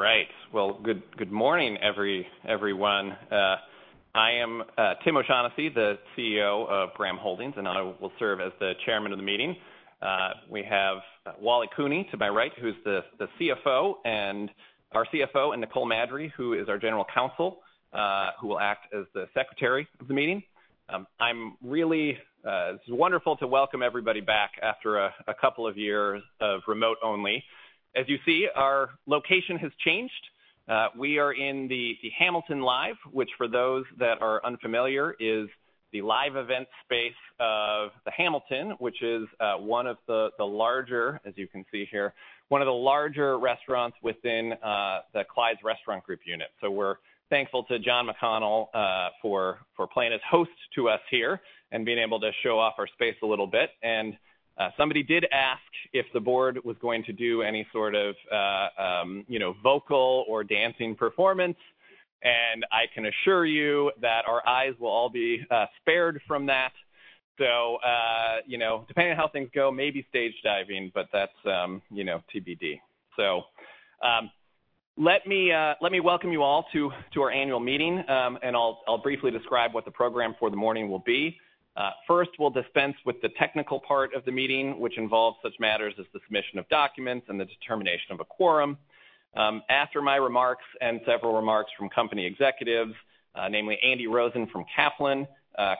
Right. Well, good morning, everyone. I am Tim O'Shaughnessy, the CEO of Graham Holdings, and I will serve as the chairman of the meeting. We have Wally Cooney to my right, who's the CFO and our CFO, and Nicole Maddrey, who is our general counsel, who will act as the secretary of the meeting. It's wonderful to welcome everybody back after a couple of years of remote only. As you see, our location has changed. We are in the Hamilton Live, which for those that are unfamiliar, is the live event space of the Hamilton, which is one of the larger, as you can see here, one of the larger restaurants within the Clyde's Restaurant Group unit. We're thankful to John McConnell for playing as hosts to us here and being able to show off our space a little bit. Somebody did ask if the board was going to do any sort of, you know, vocal or dancing performance, and I can assure you that our eyes will all be spared from that. You know, depending on how things go, maybe stage diving, but that's, you know, TBD. Let me welcome you all to our annual meeting, and I'll briefly describe what the program for the morning will be. First, we'll dispense with the technical part of the meeting, which involves such matters as the submission of documents and the determination of a quorum. After my remarks and several remarks from company executives, namely Andy Rosen from Kaplan,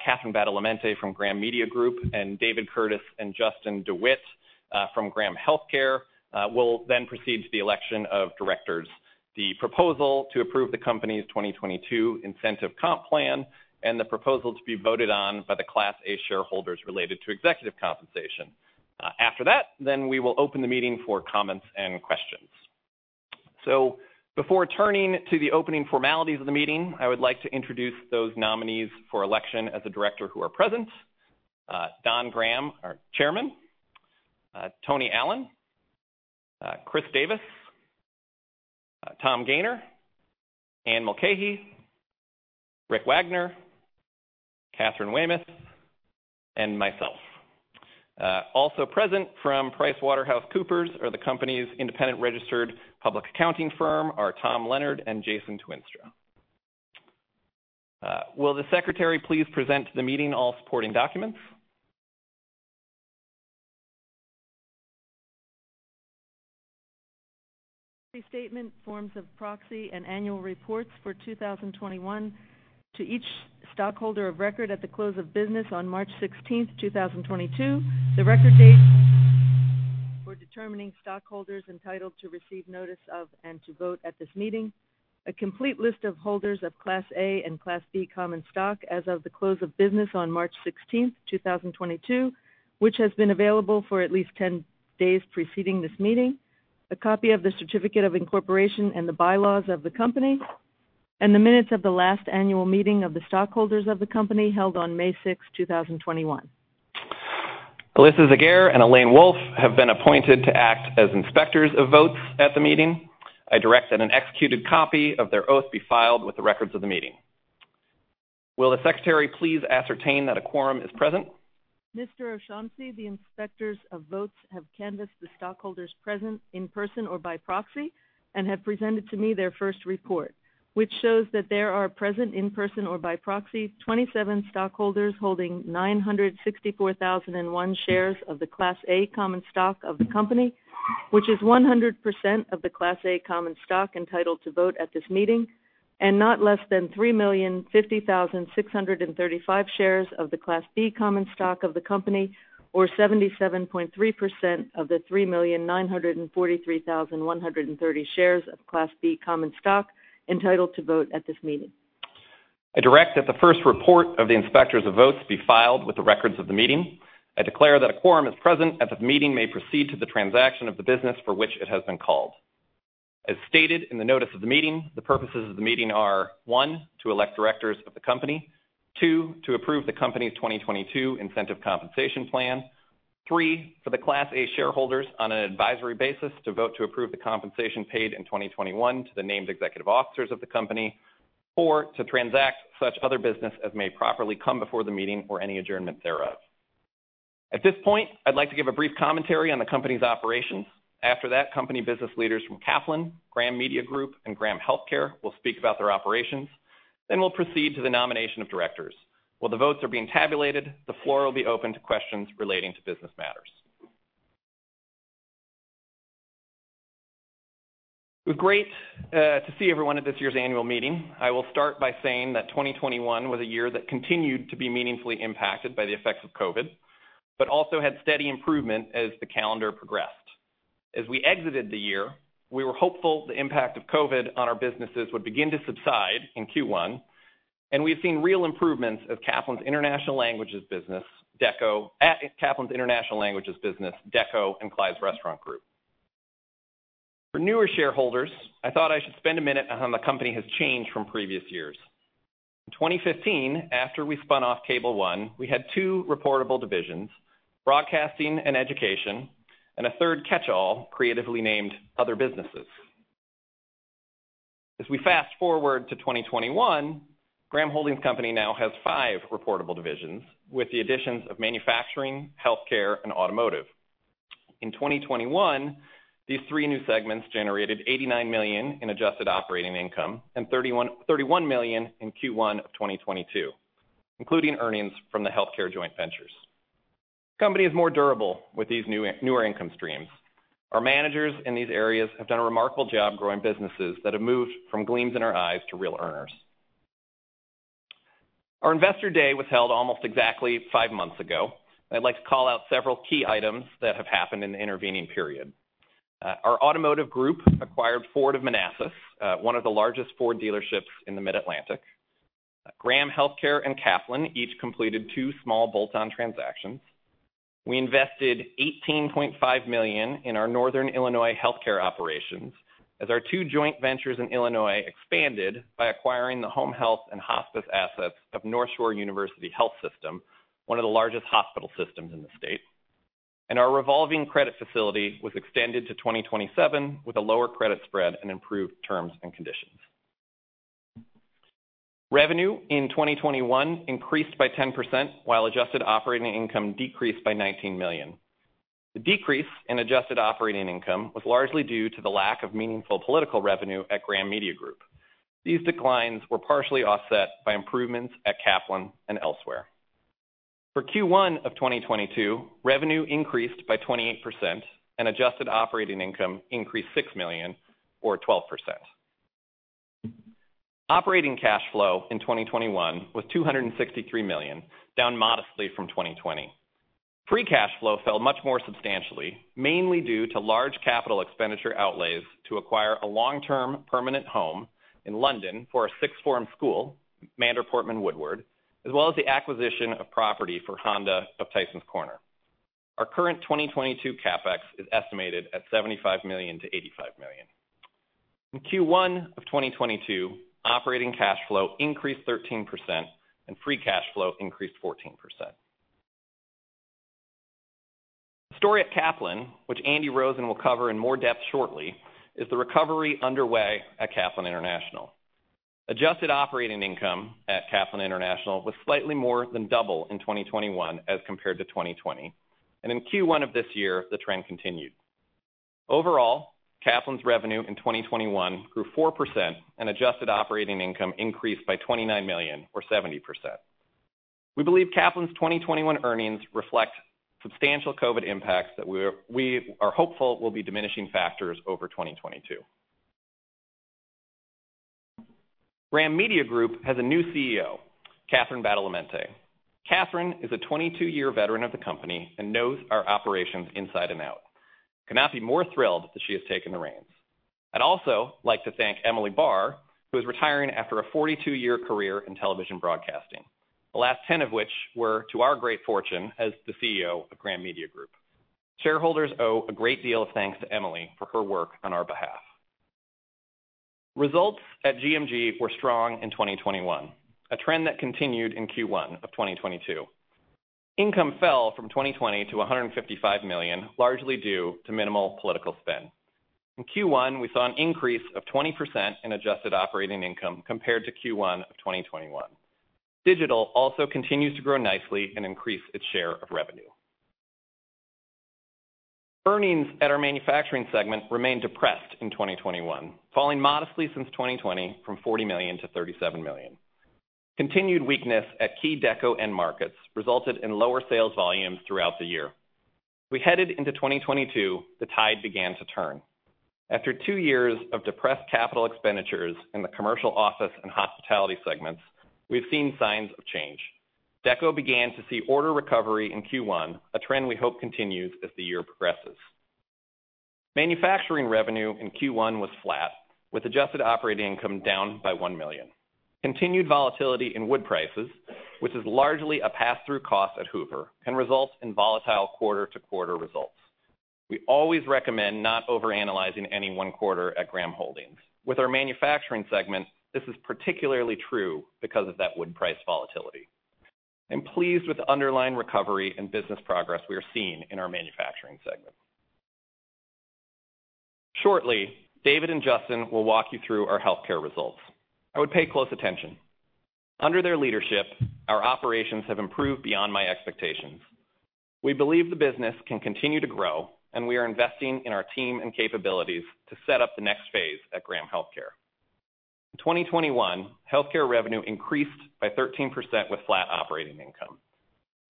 Catherine Badalamente from Graham Media Group, and David Curtis and Justin DeWitte from Graham Healthcare, we'll then proceed to the election of Directors. The proposal to approve the company's 2022 incentive comp plan and the proposal to be voted on by the Class A shareholders related to executive compensation. After that, we will open the meeting for comments and questions. Before turning to the opening formalities of the meeting, I would like to introduce those nominees for election as a Director who are present. Don Graham, our chairman, Tony Allen, Chris Davis, Tom Gayner, Anne Mulcahy, Rick Wagoner, Katharine Weymouth, and myself. Also present from PricewaterhouseCoopers, the company's independent registered public accounting firm, are Tom Leonard and Jason Tuinstra. Will the secretary please present to the meeting all supporting documents? The statement, forms of proxy and annual reports for 2021 to each stockholder of record at the close of business on March 16th, 2022. The record date for determining stockholders entitled to receive notice of and to vote at this meeting. A complete list of holders of Class A and Class B common stock as of the close of business on March 16th, 2022, which has been available for at least 10 days preceding this meeting. A copy of the certificate of incorporation and the bylaws of the company, and the minutes of the last annual meeting of the stockholders of the company held on May 6, 2021. Alyssa Zagare and Elaine Wolff have been appointed to act as inspectors of votes at the meeting. I direct that an executed copy of their oath be filed with the records of the meeting. Will the secretary please ascertain that a quorum is present? Mr. O'Shaughnessy, the inspectors of votes have canvassed the stockholders present in person or by proxy and have presented to me their first report, which shows that there are present in person or by proxy 27 stockholders holding 964,001 shares of the Class A common stock of the company, which is 100% of the Class A common stock entitled to vote at this meeting, and not less than 3,050,635 shares of the Class B common stock of the company, or 77.3% of the 3,943,130 shares of Class B common stock entitled to vote at this meeting. I direct that the first report of the inspectors of votes be filed with the records of the meeting. I declare that a quorum is present and this meeting may proceed to the transaction of the business for which it has been called. As stated in the notice of the meeting, the purposes of the meeting are, one, to elect directors of the company. Two, to approve the company's 2022 incentive compensation plan. Three, for the Class A shareholders on an advisory basis to vote to approve the compensation paid in 2021 to the named executive officers of the company. Four, to transact such other business as may properly come before the meeting or any adjournment thereof. At this point, I'd like to give a brief commentary on the company's operations. After that, company business leaders from Kaplan, Graham Media Group, and Graham Healthcare will speak about their operations. Then we'll proceed to the nomination of directors. While the votes are being tabulated, the floor will be open to questions relating to business matters. It's great to see everyone at this year's annual meeting. I will start by saying that 2021 was a year that continued to be meaningfully impacted by the effects of COVID, but also had steady improvement as the calendar progressed. As we exited the year, we were hopeful the impact of COVID on our businesses would begin to subside in Q1, and we've seen real improvements in Kaplan's International Languages business, Dekko, and Clyde's Restaurant Group. For newer shareholders, I thought I should spend a minute on how the company has changed from previous years. In 2015, after we spun off Cable One, we had two reportable divisions, broadcasting and education, and a third catch-all, creatively named Other Businesses. As we fast forward to 2021, Graham Holdings Company now has five reportable divisions with the additions of manufacturing, healthcare, and automotive. In 2021, these three new segments generated $89 million in adjusted operating income, and $31 million in Q1 of 2022, including earnings from the healthcare joint ventures. Company is more durable with these newer income streams. Our managers in these areas have done a remarkable job growing businesses that have moved from gleams in our eyes to real earners. Our Investor Day was held almost exactly five months ago. I'd like to call out several key items that have happened in the intervening period. Our automotive group acquired Ford of Manassas, one of the largest Ford dealerships in the Mid-Atlantic. Graham Healthcare and Kaplan each completed two small bolt-on transactions. We invested $18.5 million in our Northern Illinois Healthcare operations, as our two joint ventures in Illinois expanded by acquiring the home health and hospice assets of NorthShore University HealthSystem, one of the largest hospital systems in the state. Our revolving credit facility was extended to 2027 with a lower credit spread and improved terms and conditions. Revenue in 2021 increased by 10%, while adjusted operating income decreased by $19 million. The decrease in adjusted operating income was largely due to the lack of meaningful political revenue at Graham Media Group. These declines were partially offset by improvements at Kaplan and elsewhere. For Q1 of 2022, revenue increased by 28% and adjusted operating income increased $6 million or 12%. Operating cash flow in 2021 was $263 million, down modestly from 2020. Free cash flow fell much more substantially, mainly due to large capital expenditure outlays to acquire a long-term permanent home in London for a sixth form school, Mander Portman Woodward, as well as the acquisition of property for Honda of Tysons Corner. Our current 2022 CapEx is estimated at $75 million-$85 million. In Q1 of 2022, operating cash flow increased 13% and free cash flow increased 14%. The story at Kaplan, which Andy Rosen will cover in more depth shortly, is the recovery underway at Kaplan International. Adjusted operating income at Kaplan International was slightly more than double in 2021 as compared to 2020, and in Q1 of this year, the trend continued. Overall, Kaplan's revenue in 2021 grew 4% and adjusted operating income increased by $29 million or 70%. We believe Kaplan's 2021 earnings reflect substantial COVID impacts that we are hopeful will be diminishing factors over 2022. Graham Media Group has a new CEO, Catherine Badalamente. Catherine is a 22-year veteran of the company and knows our operations inside and out. Could not be more thrilled that she has taken the reins. I'd also like to thank Emily Barr, who is retiring after a 42-year career in television broadcasting, the last 10 of which were, to our great fortune, as the CEO of Graham Media Group. Shareholders owe a great deal of thanks to Emily for her work on our behalf. Results at GMG were strong in 2021, a trend that continued in Q1 of 2022. Income fell from 2020 to $155 million, largely due to minimal political spend. In Q1, we saw an increase of 20% in adjusted operating income compared to Q1 of 2021. Digital also continues to grow nicely and increase its share of revenue. Earnings at our manufacturing segment remained depressed in 2021, falling modestly since 2020 from $40 million-$37 million. Continued weakness at key Dekko end markets resulted in lower sales volumes throughout the year. We headed into 2022. The tide began to turn. After two years of depressed capital expenditures in the commercial office and hospitality segments, we've seen signs of change. Dekko began to see order recovery in Q1, a trend we hope continues as the year progresses. Manufacturing revenue in Q1 was flat, with adjusted operating income down by $1 million. Continued volatility in wood prices, which is largely a pass through cost at Hoover, can result in volatile quarter-to-quarter results. We always recommend not overanalyzing any one quarter at Graham Holdings. With our manufacturing segment, this is particularly true because of that wood price volatility. I'm pleased with the underlying recovery and business progress we are seeing in our manufacturing segment. Shortly, David and Justin will walk you through our healthcare results. I would pay close attention. Under their leadership, our operations have improved beyond my expectations. We believe the business can continue to grow, and we are investing in our team and capabilities to set up the next phase at Graham Healthcare. In 2021, healthcare revenue increased by 13% with flat operating income.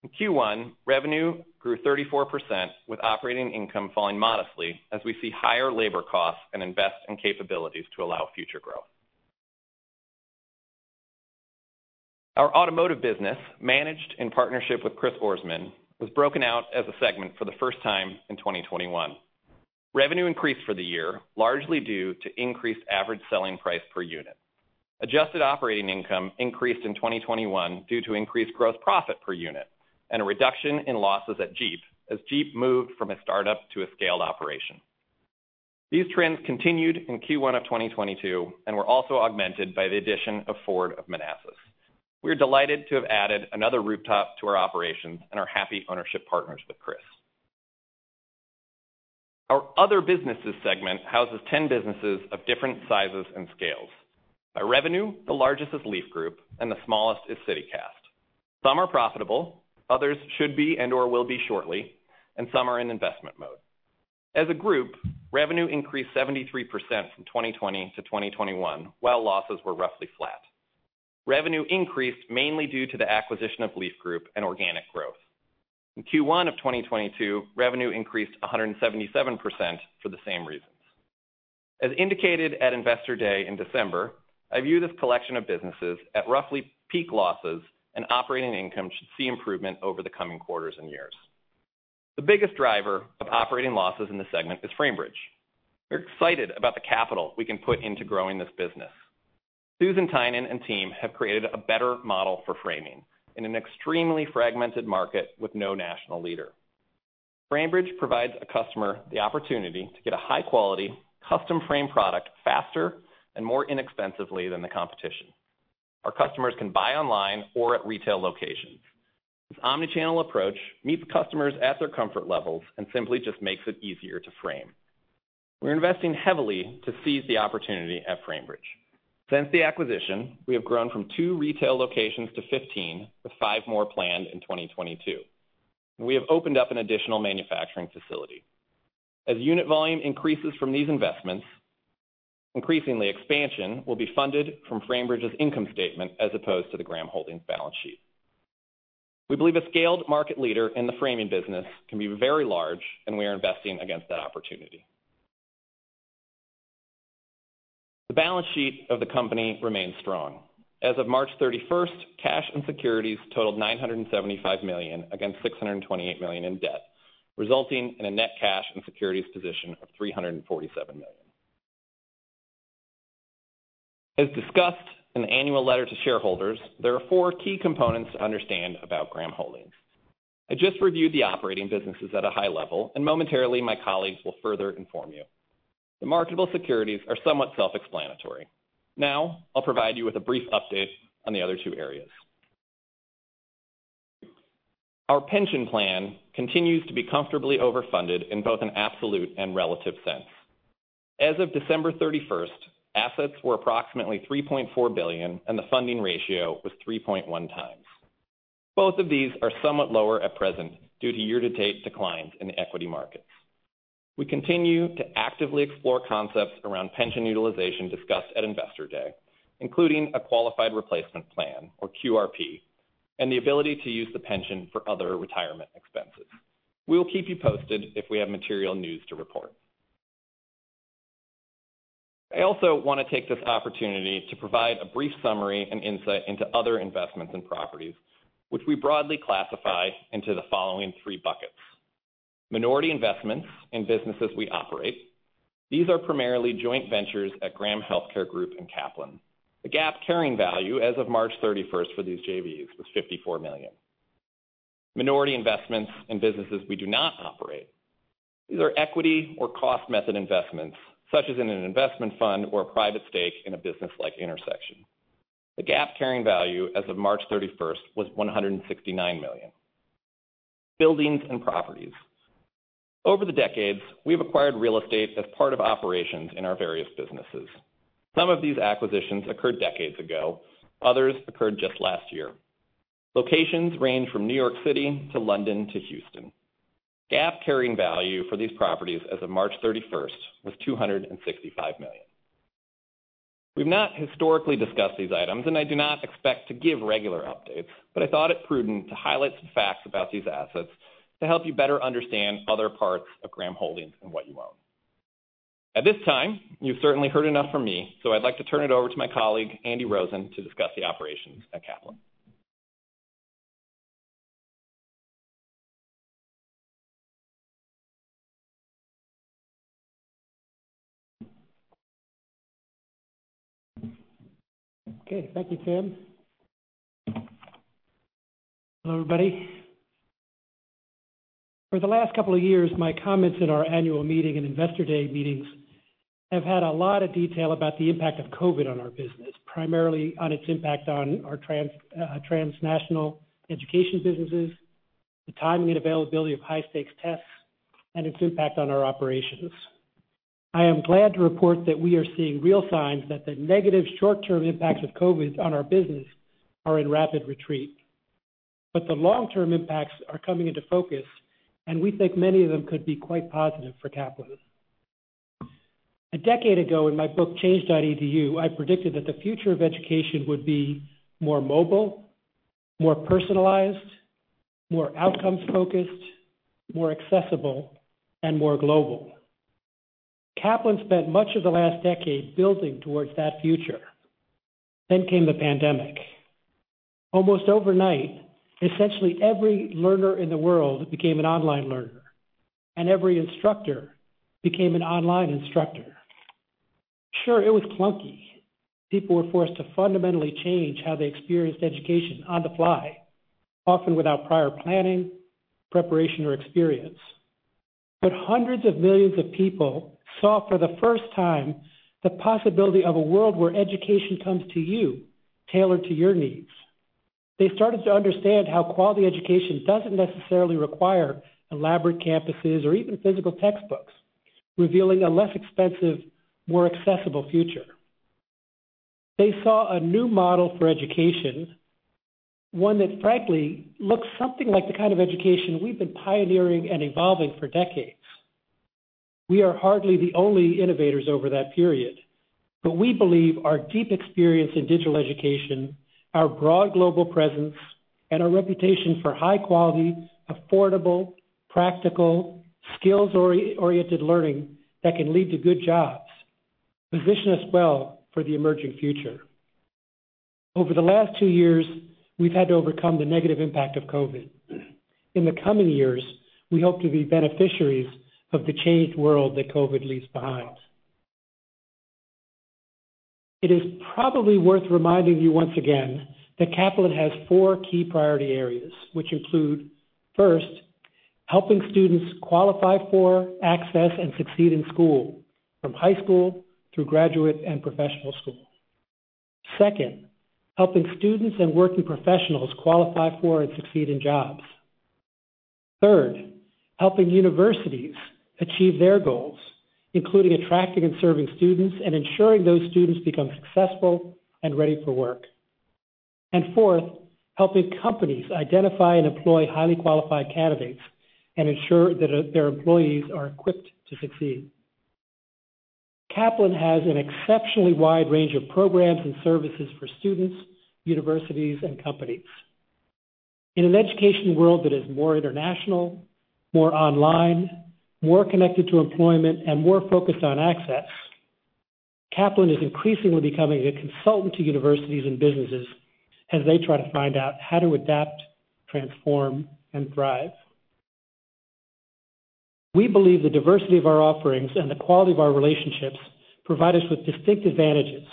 In Q1, revenue grew 34% with operating income falling modestly as we see higher labor costs and invest in capabilities to allow future growth. Our automotive business, managed in partnership with Chris Ourisman, was broken out as a segment for the first time in 2021. Revenue increased for the year, largely due to increased average selling price per unit. Adjusted operating income increased in 2021 due to increased gross profit per unit and a reduction in losses at Jeep as Jeep moved from a startup to a scaled operation. These trends continued in Q1 of 2022 and were also augmented by the addition of Ford of Manassas. We're delighted to have added another rooftop to our operations and are happy ownership partners with Chris. Our other businesses segment houses 10 businesses of different sizes and scales. By revenue, the largest is Leaf Group and the smallest is City Cast. Some are profitable, others should be and/or will be shortly, and some are in investment mode. As a group, revenue increased 73% from 2020 to 2021, while losses were roughly flat. Revenue increased mainly due to the acquisition of Leaf Group and organic growth. In Q1 of 2022, revenue increased 177% for the same reasons. As indicated at Investor Day in December, I view this collection of businesses at roughly peak losses and operating income should see improvement over the coming quarters and years. The biggest driver of operating losses in the segment is Framebridge. We're excited about the capital we can put into growing this business. Susan Tynan and team have created a better model for framing in an extremely fragmented market with no national leader. Framebridge provides a customer the opportunity to get a high-quality custom frame product faster and more inexpensively than the competition. Our customers can buy online or at retail locations. This omni-channel approach meets customers at their comfort levels and simply just makes it easier to frame. We're investing heavily to seize the opportunity at Framebridge. Since the acquisition, we have grown from two retail locations to 15, with five more planned in 2022. We have opened up an additional manufacturing facility. As unit volume increases from these investments, increasingly expansion will be funded from Framebridge's income statement as opposed to the Graham Holdings balance sheet. We believe a scaled market leader in the framing business can be very large, and we are investing against that opportunity. The balance sheet of the company remains strong. As of March 31st, cash and securities totaled $975 million against $628 million in debt, resulting in a net cash and securities position of $347 million. As discussed in the annual letter to shareholders, there are four key components to understand about Graham Holdings. I just reviewed the operating businesses at a high level, and momentarily my colleagues will further inform you. The marketable securities are somewhat self-explanatory. Now I'll provide you with a brief update on the other two areas. Our pension plan continues to be comfortably overfunded in both an absolute and relative sense. As of December 31st, assets were approximately $3.4 billion and the funding ratio was 3.1x. Both of these are somewhat lower at present due to year-to-date declines in the equity markets. We continue to actively explore concepts around pension utilization discussed at Investor Day, including a qualified replacement plan or QRP, and the ability to use the pension for other retirement expenses. We will keep you posted if we have material news to report. I also wanna take this opportunity to provide a brief summary and insight into other investments and properties which we broadly classify into the following three buckets. Minority investments in businesses we operate. These are primarily joint ventures at Graham Healthcare Group and Kaplan. The GAAP carrying value as of March 31st for these JVs was $54 million. Minority investments in businesses we do not operate. These are equity or cost method investments, such as in an investment fund or a private stake in a business like Intersection. The GAAP carrying value as of March 31st was $169 million. Buildings and properties. Over the decades, we've acquired real estate as part of operations in our various businesses. Some of these acquisitions occurred decades ago. Others occurred just last year. Locations range from New York City to London to Houston. GAAP carrying value for these properties as of March 31st was $265 million. We've not historically discussed these items, and I do not expect to give regular updates, but I thought it prudent to highlight some facts about these assets to help you better understand other parts of Graham Holdings and what you own. At this time, you've certainly heard enough from me, so I'd like to turn it over to my colleague, Andy Rosen, to discuss the operations at Kaplan. Okay. Thank you, Tim. Hello, everybody. For the last couple of years, my comments at our annual meeting and Investor Day meetings have had a lot of detail about the impact of COVID on our business, primarily on its impact on our transnational education businesses, the timing and availability of high-stakes tests, and its impact on our operations. I am glad to report that we are seeing real signs that the negative short-term impacts of COVID on our business are in rapid retreat. The long-term impacts are coming into focus, and we think many of them could be quite positive for Kaplan. A decade ago in my book Change.edu, I predicted that the future of education would be more mobile, more personalized, more outcomes-focused, more accessible, and more global. Kaplan spent much of the last decade building towards that future. Came the pandemic. Almost overnight, essentially every learner in the world became an online learner, and every instructor became an online instructor. Sure, it was clunky. People were forced to fundamentally change how they experienced education on the fly, often without prior planning, preparation, or experience. Hundreds of millions of people saw for the first time the possibility of a world where education comes to you, tailored to your needs. They started to understand how quality education doesn't necessarily require elaborate campuses or even physical textbooks, revealing a less expensive, more accessible future. They saw a new model for education, one that frankly looks something like the kind of education we've been pioneering and evolving for decades. We are hardly the only innovators over that period, but we believe our deep experience in digital education, our broad global presence, and our reputation for high-quality, affordable, practical, skills-oriented learning that can lead to good jobs position us well for the emerging future. Over the last two years, we've had to overcome the negative impact of COVID. In the coming years, we hope to be beneficiaries of the changed world that COVID leaves behind. It is probably worth reminding you once again that Kaplan has four key priority areas, which include, first, helping students qualify for access and succeed in school, from high school through graduate and professional school. Second, helping students and working professionals qualify for and succeed in jobs. Third, helping universities achieve their goals, including attracting and serving students and ensuring those students become successful and ready for work. Fourth, helping companies identify and employ highly qualified candidates and ensure that their employees are equipped to succeed. Kaplan has an exceptionally wide range of programs and services for students, universities, and companies. In an education world that is more international, more online, more connected to employment, and more focused on access, Kaplan is increasingly becoming a consultant to universities and businesses as they try to find out how to adapt, transform, and thrive. We believe the diversity of our offerings and the quality of our relationships provide us with distinct advantages,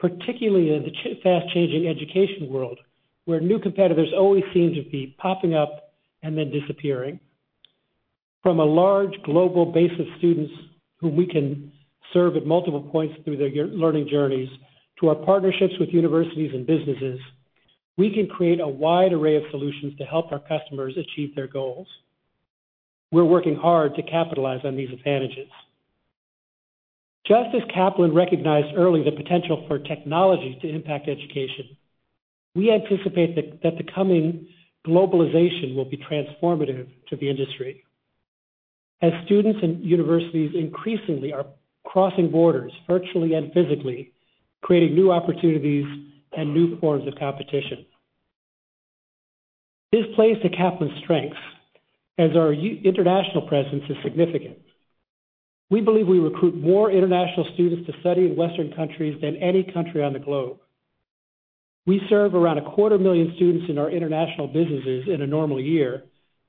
particularly in the fast-changing education world, where new competitors always seem to be popping up and then disappearing. From a large global base of students who we can serve at multiple points through their learning journeys, to our partnerships with universities and businesses, we can create a wide array of solutions to help our customers achieve their goals. We're working hard to capitalize on these advantages. Just as Kaplan recognized early the potential for technology to impact education, we anticipate that the coming globalization will be transformative to the industry. As students and universities increasingly are crossing borders virtually and physically, creating new opportunities and new forms of competition. This plays to Kaplan's strengths as our international presence is significant. We believe we recruit more international students to study in Western countries than any country on the globe. We serve around 250,000 students in our international businesses in a normal year,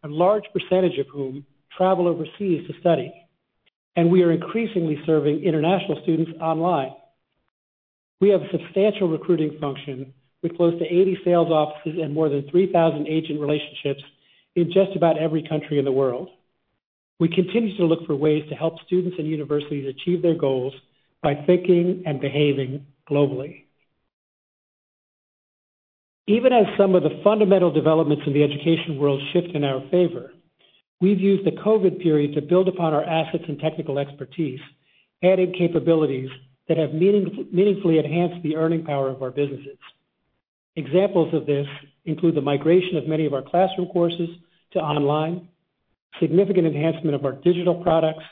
a large percentage of whom travel overseas to study, and we are increasingly serving international students online. We have a substantial recruiting function with close to 80 sales offices and more than 3,000 agent relationships in just about every country in the world. We continue to look for ways to help students and universities achieve their goals by thinking and behaving globally. Even as some of the fundamental developments in the education world shift in our favor, we've used the COVID period to build upon our assets and technical expertise, adding capabilities that have meaningfully enhanced the earning power of our businesses. Examples of this include the migration of many of our classroom courses to online, significant enhancement of our digital products,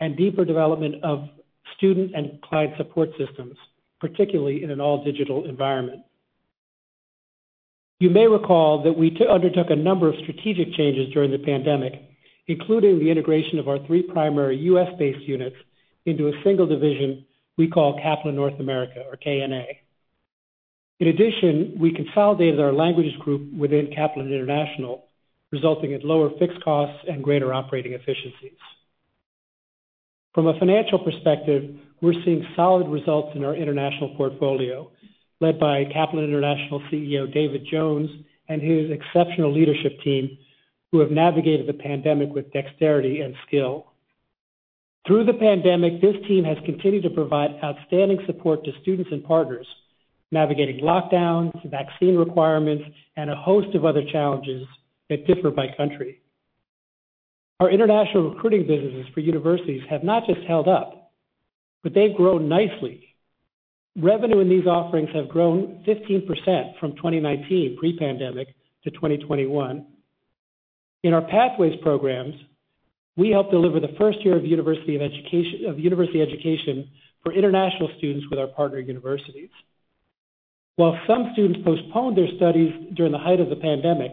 and deeper development of student and client support systems, particularly in an all-digital environment. You may recall that we undertook a number of strategic changes during the pandemic, including the integration of our three primary U.S.-based units into a single division we call Kaplan North America or KNA. In addition, we consolidated our languages group within Kaplan International, resulting in lower fixed costs and greater operating efficiencies. From a financial perspective, we're seeing solid results in our international portfolio, led by Kaplan International CEO David Jones and his exceptional leadership team, who have navigated the pandemic with dexterity and skill. Through the pandemic, this team has continued to provide outstanding support to students and partners, navigating lockdowns, vaccine requirements, and a host of other challenges that differ by country. Our international recruiting businesses for universities have not just held up, but they've grown nicely. Revenue in these offerings have grown 15% from 2019 pre-pandemic to 2021. In our Pathways programs, we help deliver the first year of university education for international students with our partner universities. While some students postponed their studies during the height of the pandemic,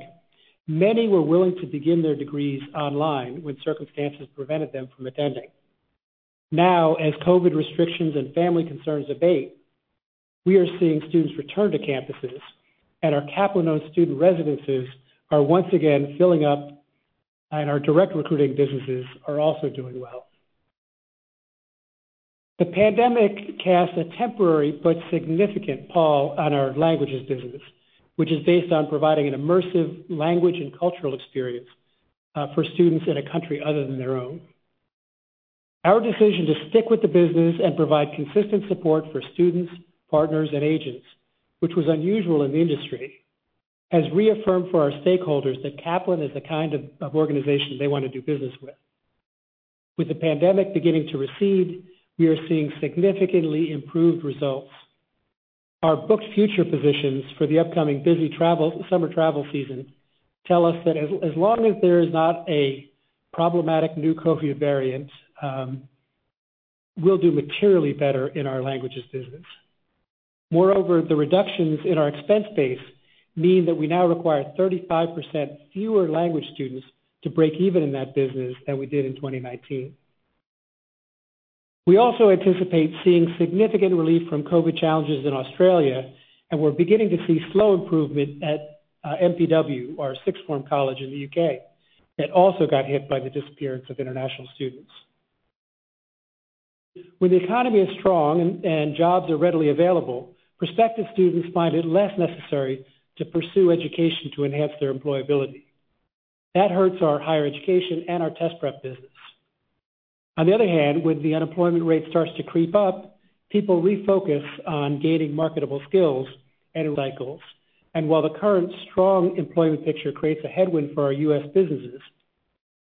many were willing to begin their degrees online when circumstances prevented them from attending. Now, as COVID restrictions and family concerns abate, we are seeing students return to campuses, and our Kaplan-owned student residences are once again filling up, and our direct recruiting businesses are also doing well. The pandemic cast a temporary but significant pall on our languages business, which is based on providing an immersive language and cultural experience for students in a country other than their own. Our decision to stick with the business and provide consistent support for students, partners, and agents, which was unusual in the industry, has reaffirmed for our stakeholders that Kaplan is the kind of organization they want to do business with. With the pandemic beginning to recede, we are seeing significantly improved results. Our booked future positions for the upcoming busy summer travel season tell us that as long as there is not a problematic new COVID variant, we'll do materially better in our languages business. Moreover, the reductions in our expense base mean that we now require 35% fewer language students to break even in that business than we did in 2019. We also anticipate seeing significant relief from COVID challenges in Australia, and we're beginning to see slow improvement at MPW, our sixth form college in the U.K., that also got hit by the disappearance of international students. When the economy is strong and jobs are readily available, prospective students find it less necessary to pursue education to enhance their employability. That hurts our higher education and our test prep business. On the other hand, when the unemployment rate starts to creep up, people refocus on gaining marketable skills and cycles. While the current strong employment picture creates a headwind for our U.S. businesses,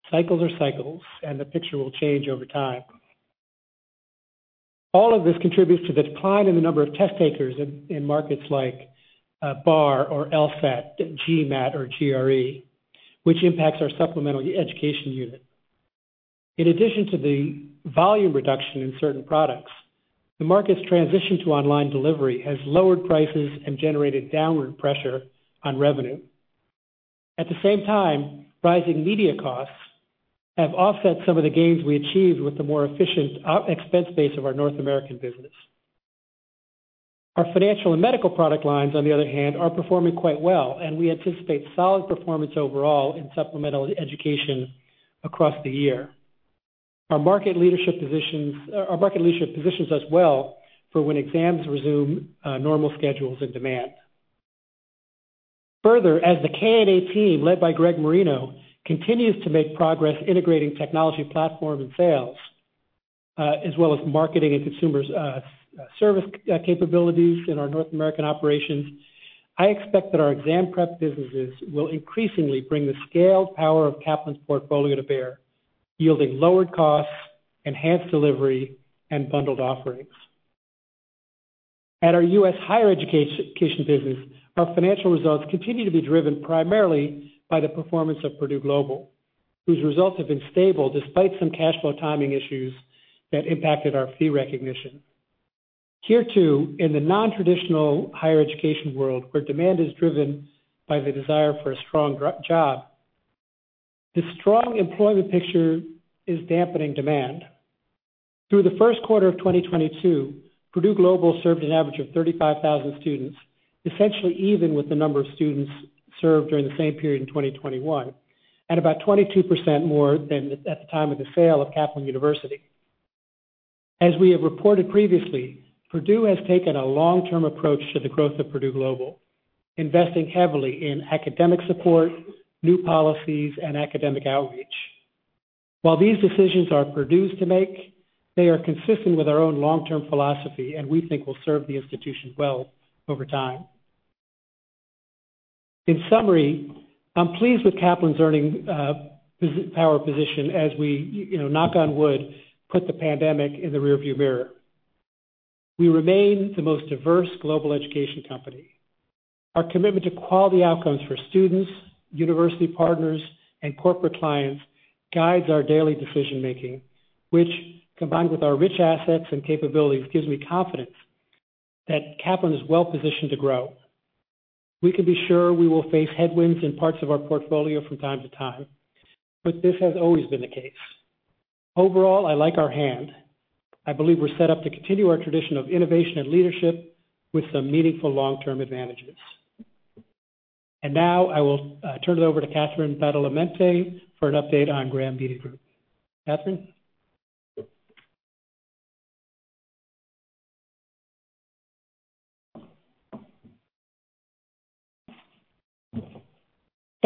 cycles are cycles, and the picture will change over time. All of this contributes to the decline in the number of test takers in markets like BAR or LSAT, GMAT or GRE, which impacts our supplemental education unit. In addition to the volume reduction in certain products, the market's transition to online delivery has lowered prices and generated downward pressure on revenue. At the same time, rising media costs have offset some of the gains we achieved with the more efficient expense base of our North American business. Our financial and medical product lines, on the other hand, are performing quite well, and we anticipate solid performance overall in supplemental education across the year. Our market leadership position us well for when exams resume normal schedules and demand. Further, as the K&A team, led by Greg Marino, continues to make progress integrating technology platform and sales, as well as marketing and consumer service capabilities in our North American operations, I expect that our exam prep businesses will increasingly bring the scaled power of Kaplan's portfolio to bear, yielding lower costs, enhanced delivery, and bundled offerings. At our U.S. higher education business, our financial results continue to be driven primarily by the performance of Purdue Global, whose results have been stable despite some cash flow timing issues that impacted our fee recognition. Here, too, in the non-traditional higher education world, where demand is driven by the desire for a strong job, the strong employment picture is dampening demand. Through the first quarter of 2022, Purdue Global served an average of 35,000 students, essentially even with the number of students served during the same period in 2021, and about 22% more than at the time of the sale of Kaplan University. As we have reported previously, Purdue has taken a long-term approach to the growth of Purdue Global, investing heavily in academic support, new policies, and academic outreach. While these decisions are Purdue's to make, they are consistent with our own long-term philosophy, and we think will serve the institution well over time. In summary, I'm pleased with Kaplan's earnings power position as we, you know, knock on wood, put the pandemic in the rearview mirror. We remain the most diverse global education company. Our commitment to quality outcomes for students, university partners, and corporate clients guides our daily decision-making, which, combined with our rich assets and capabilities, gives me confidence that Kaplan is well-positioned to grow. We can be sure we will face headwinds in parts of our portfolio from time to time, but this has always been the case. Overall, I like our hand. I believe we're set up to continue our tradition of innovation and leadership with some meaningful long-term advantages. Now I will turn it over to Catherine Badalamente for an update on Graham Media Group.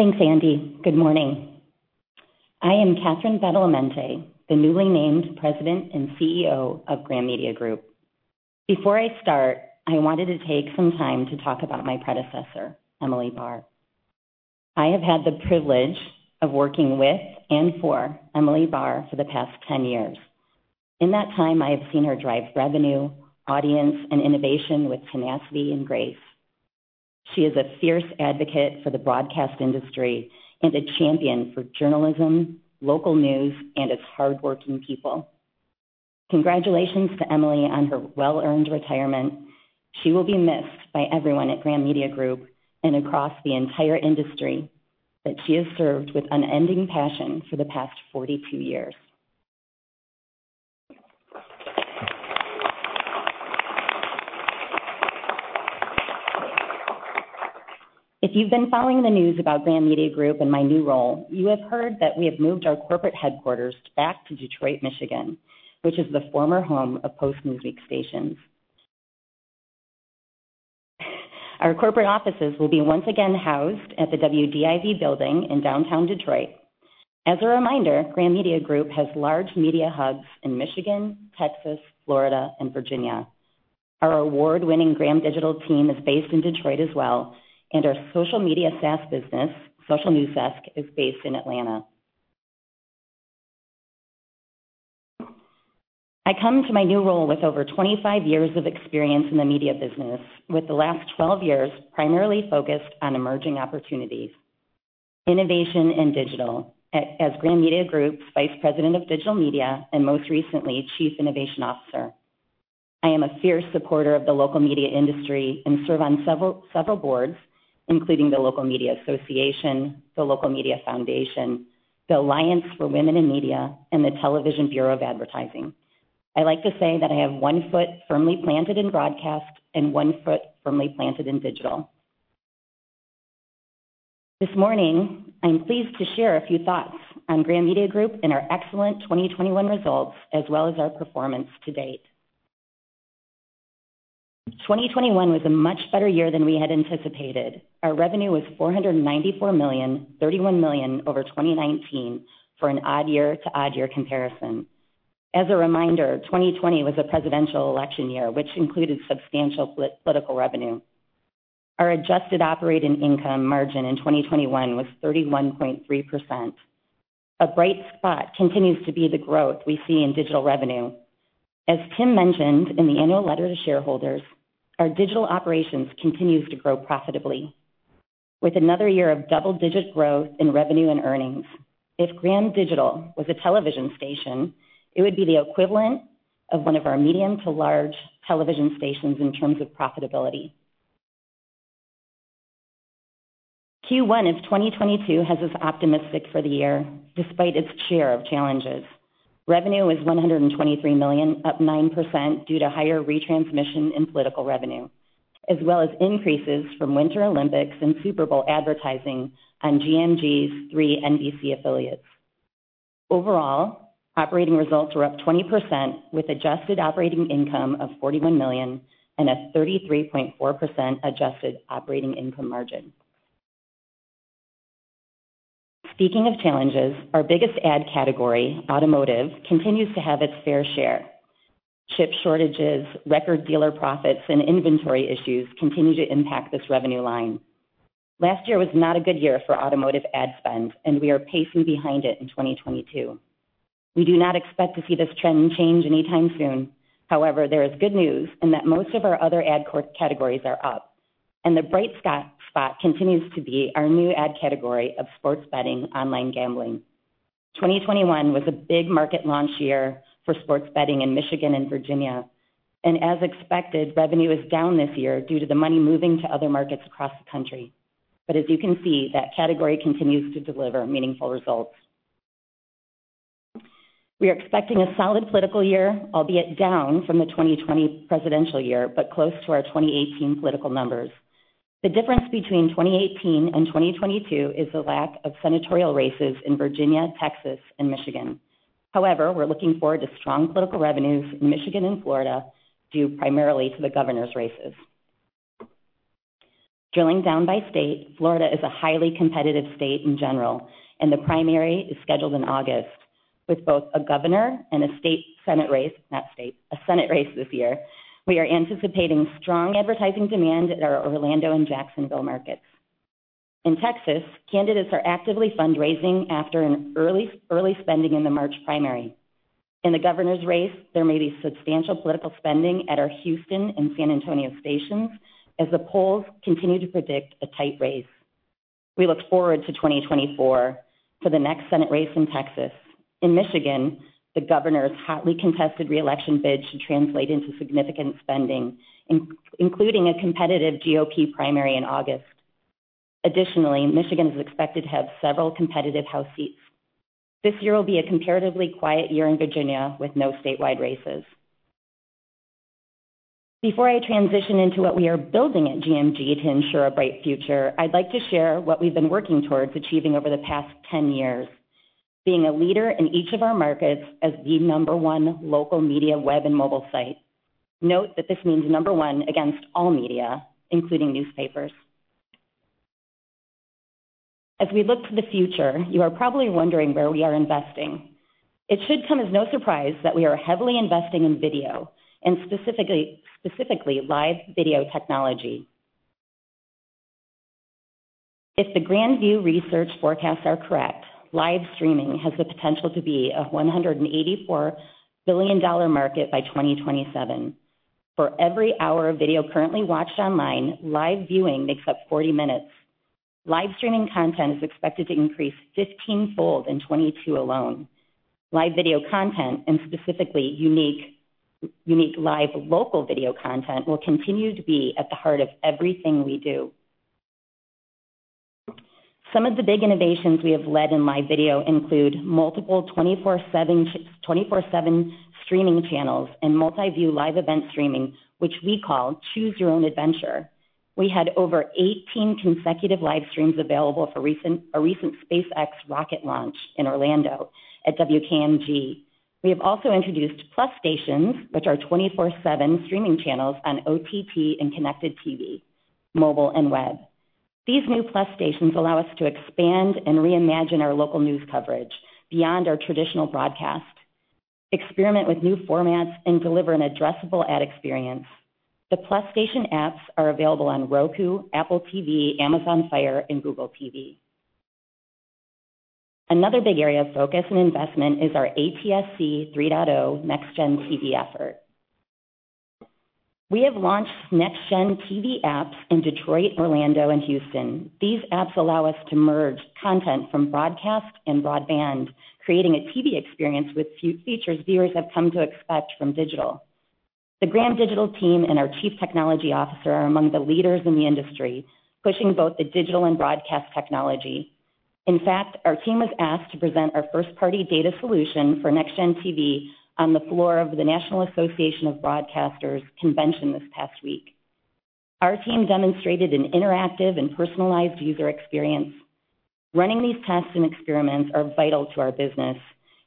Catherine? Thanks, Andy. Good morning. I am Catherine Badalamente, the newly named President and CEO of Graham Media Group. Before I start, I wanted to take some time to talk about my predecessor, Emily Barr. I have had the privilege of working with and for Emily Barr for the past 10 years. In that time, I have seen her drive revenue, audience, and innovation with tenacity and grace. She is a fierce advocate for the broadcast industry and a champion for journalism, local news, and its hardworking people. Congratulations to Emily on her well-earned retirement. She will be missed by everyone at Graham Media Group and across the entire industry that she has served with unending passion for the past 42 years. If you've been following the news about Graham Media Group and my new role, you have heard that we have moved our corporate headquarters back to Detroit, Michigan, which is the former home of Post-Newsweek Stations. Our corporate offices will be once again housed at the WDIV building in downtown Detroit. As a reminder, Graham Media Group has large media hubs in Michigan, Texas, Florida, and Virginia. Our award-winning Graham Digital team is based in Detroit as well, and our social media SaaS business, Social News Desk, is based in Atlanta. I come to my new role with over 25 years of experience in the media business, with the last 12 years primarily focused on emerging opportunities, innovation, and digital as Graham Media Group's Vice President of digital media, and most recently, chief innovation officer. I am a fierce supporter of the local media industry and serve on several boards, including the Local Media Association, the Local Media Foundation, the Alliance for Women in Media, and the Television Bureau of Advertising. I like to say that I have one foot firmly planted in broadcast and one foot firmly planted in digital. This morning, I'm pleased to share a few thoughts on Graham Media Group and our excellent 2021 results, as well as our performance to date. 2021 was a much better year than we had anticipated. Our revenue was $494 million, $31 million over 2019 for an odd year to odd year comparison. As a reminder, 2020 was a presidential election year, which included substantial political revenue. Our adjusted operating income margin in 2021 was 31.3%. A bright spot continues to be the growth we see in digital revenue. As Tim mentioned in the annual letter to shareholders, our digital operations continues to grow profitably. With another year of double-digit growth in revenue and earnings, if Graham Digital was a television station, it would be the equivalent of one of our medium- to large- television stations in terms of profitability. Q1 of 2022 has us optimistic for the year, despite its share of challenges. Revenue was $123 million, up 9% due to higher retransmission and political revenue, as well as increases from Winter Olympics and Super Bowl advertising on GMG's three NBC affiliates. Overall, operating results were up 20% with adjusted operating income of $41 million and a 33.4% adjusted operating income margin. Speaking of challenges, our biggest ad category, automotive, continues to have its fair share. Chip shortages, record dealer profits, and inventory issues continue to impact this revenue line. Last year was not a good year for automotive ad spend, and we are pacing behind it in 2022. We do not expect to see this trend change anytime soon. However, there is good news in that most of our other ad categories are up, and the bright spot continues to be our new ad category of sports betting online gambling. 2021 was a big market launch year for sports betting in Michigan and Virginia. As expected, revenue is down this year due to the money moving to other markets across the country. As you can see, that category continues to deliver meaningful results. We are expecting a solid political year, albeit down from the 2020 presidential year, but close to our 2018 political numbers. The difference between 2018 and 2022 is the lack of senatorial races in Virginia, Texas, and Michigan. We're looking forward to strong political revenues in Michigan and Florida, due primarily to the governor's races. Drilling down by state, Florida is a highly competitive state in general, and the primary is scheduled in August with both a governor and a Senate race this year. We are anticipating strong advertising demand at our Orlando and Jacksonville markets. In Texas, candidates are actively fundraising after an early spending in the March primary. In the governor's race, there may be substantial political spending at our Houston and San Antonio stations as the polls continue to predict a tight race. We look forward to 2024 for the next Senate race in Texas. In Michigan, the governor's hotly contested re-election bid should translate into significant spending, including a competitive GOP primary in August. Additionally, Michigan is expected to have several competitive House seats. This year will be a comparatively quiet year in Virginia with no statewide races. Before I transition into what we are building at GMG to ensure a bright future, I'd like to share what we've been working towards achieving over the past 10 years, being a leader in each of our markets as the number one local media web and mobile site. Note that this means number one against all media, including newspapers. As we look to the future, you are probably wondering where we are investing. It should come as no surprise that we are heavily investing in video and specifically live video technology. If the Grand View Research forecasts are correct, live streaming has the potential to be a $184 billion market by 2027. For every hour of video currently watched online, live viewing makes up 40 minutes. Live streaming content is expected to increase 15-fold in 2022 alone. Live video content, and specifically unique live local video content, will continue to be at the heart of everything we do. Some of the big innovations we have led in live video include multiple 24/7 streaming channels and multi-view live event streaming, which we call Choose Your Own Adventure. We had over 18 consecutive live streams available for a recent SpaceX rocket launch in Orlando at WKMG. We have also introduced plus stations, which are 24/7 streaming channels on OTT and connected TV, mobile and web. These new plus stations allow us to expand and reimagine our local news coverage beyond our traditional broadcast, experiment with new formats and deliver an addressable ad experience. The plus station apps are available on Roku, Apple TV, Amazon Fire TV, and Google TV. Another big area of focus and investment is our ATSC 3.0 Next Gen TV effort. We have launched Next Gen TV apps in Detroit, Orlando, and Houston. These apps allow us to merge content from broadcast and broadband, creating a TV experience with new features viewers have come to expect from digital. The Graham Digital team and our chief technology officer are among the leaders in the industry, pushing both the digital and broadcast technology. In fact, our team was asked to present our first-party data solution for Next Gen TV on the floor of the National Association of Broadcasters convention this past week. Our team demonstrated an interactive and personalized user experience. Running these tests and experiments are vital to our business.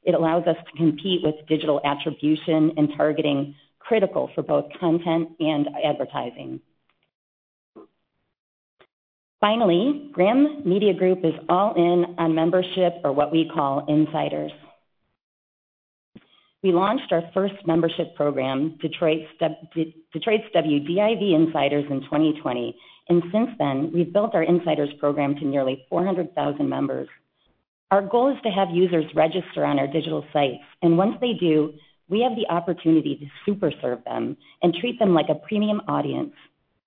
It allows us to compete with digital attribution and targeting critical for both content and advertising. Finally, Graham Media Group is all in on membership or what we call insiders. We launched our first membership program, Detroit's WDIV insiders in 2020, and since then we've built our insiders program to nearly 400,000 members. Our goal is to have users register on our digital sites, and once they do, we have the opportunity to super serve them and treat them like a premium audience.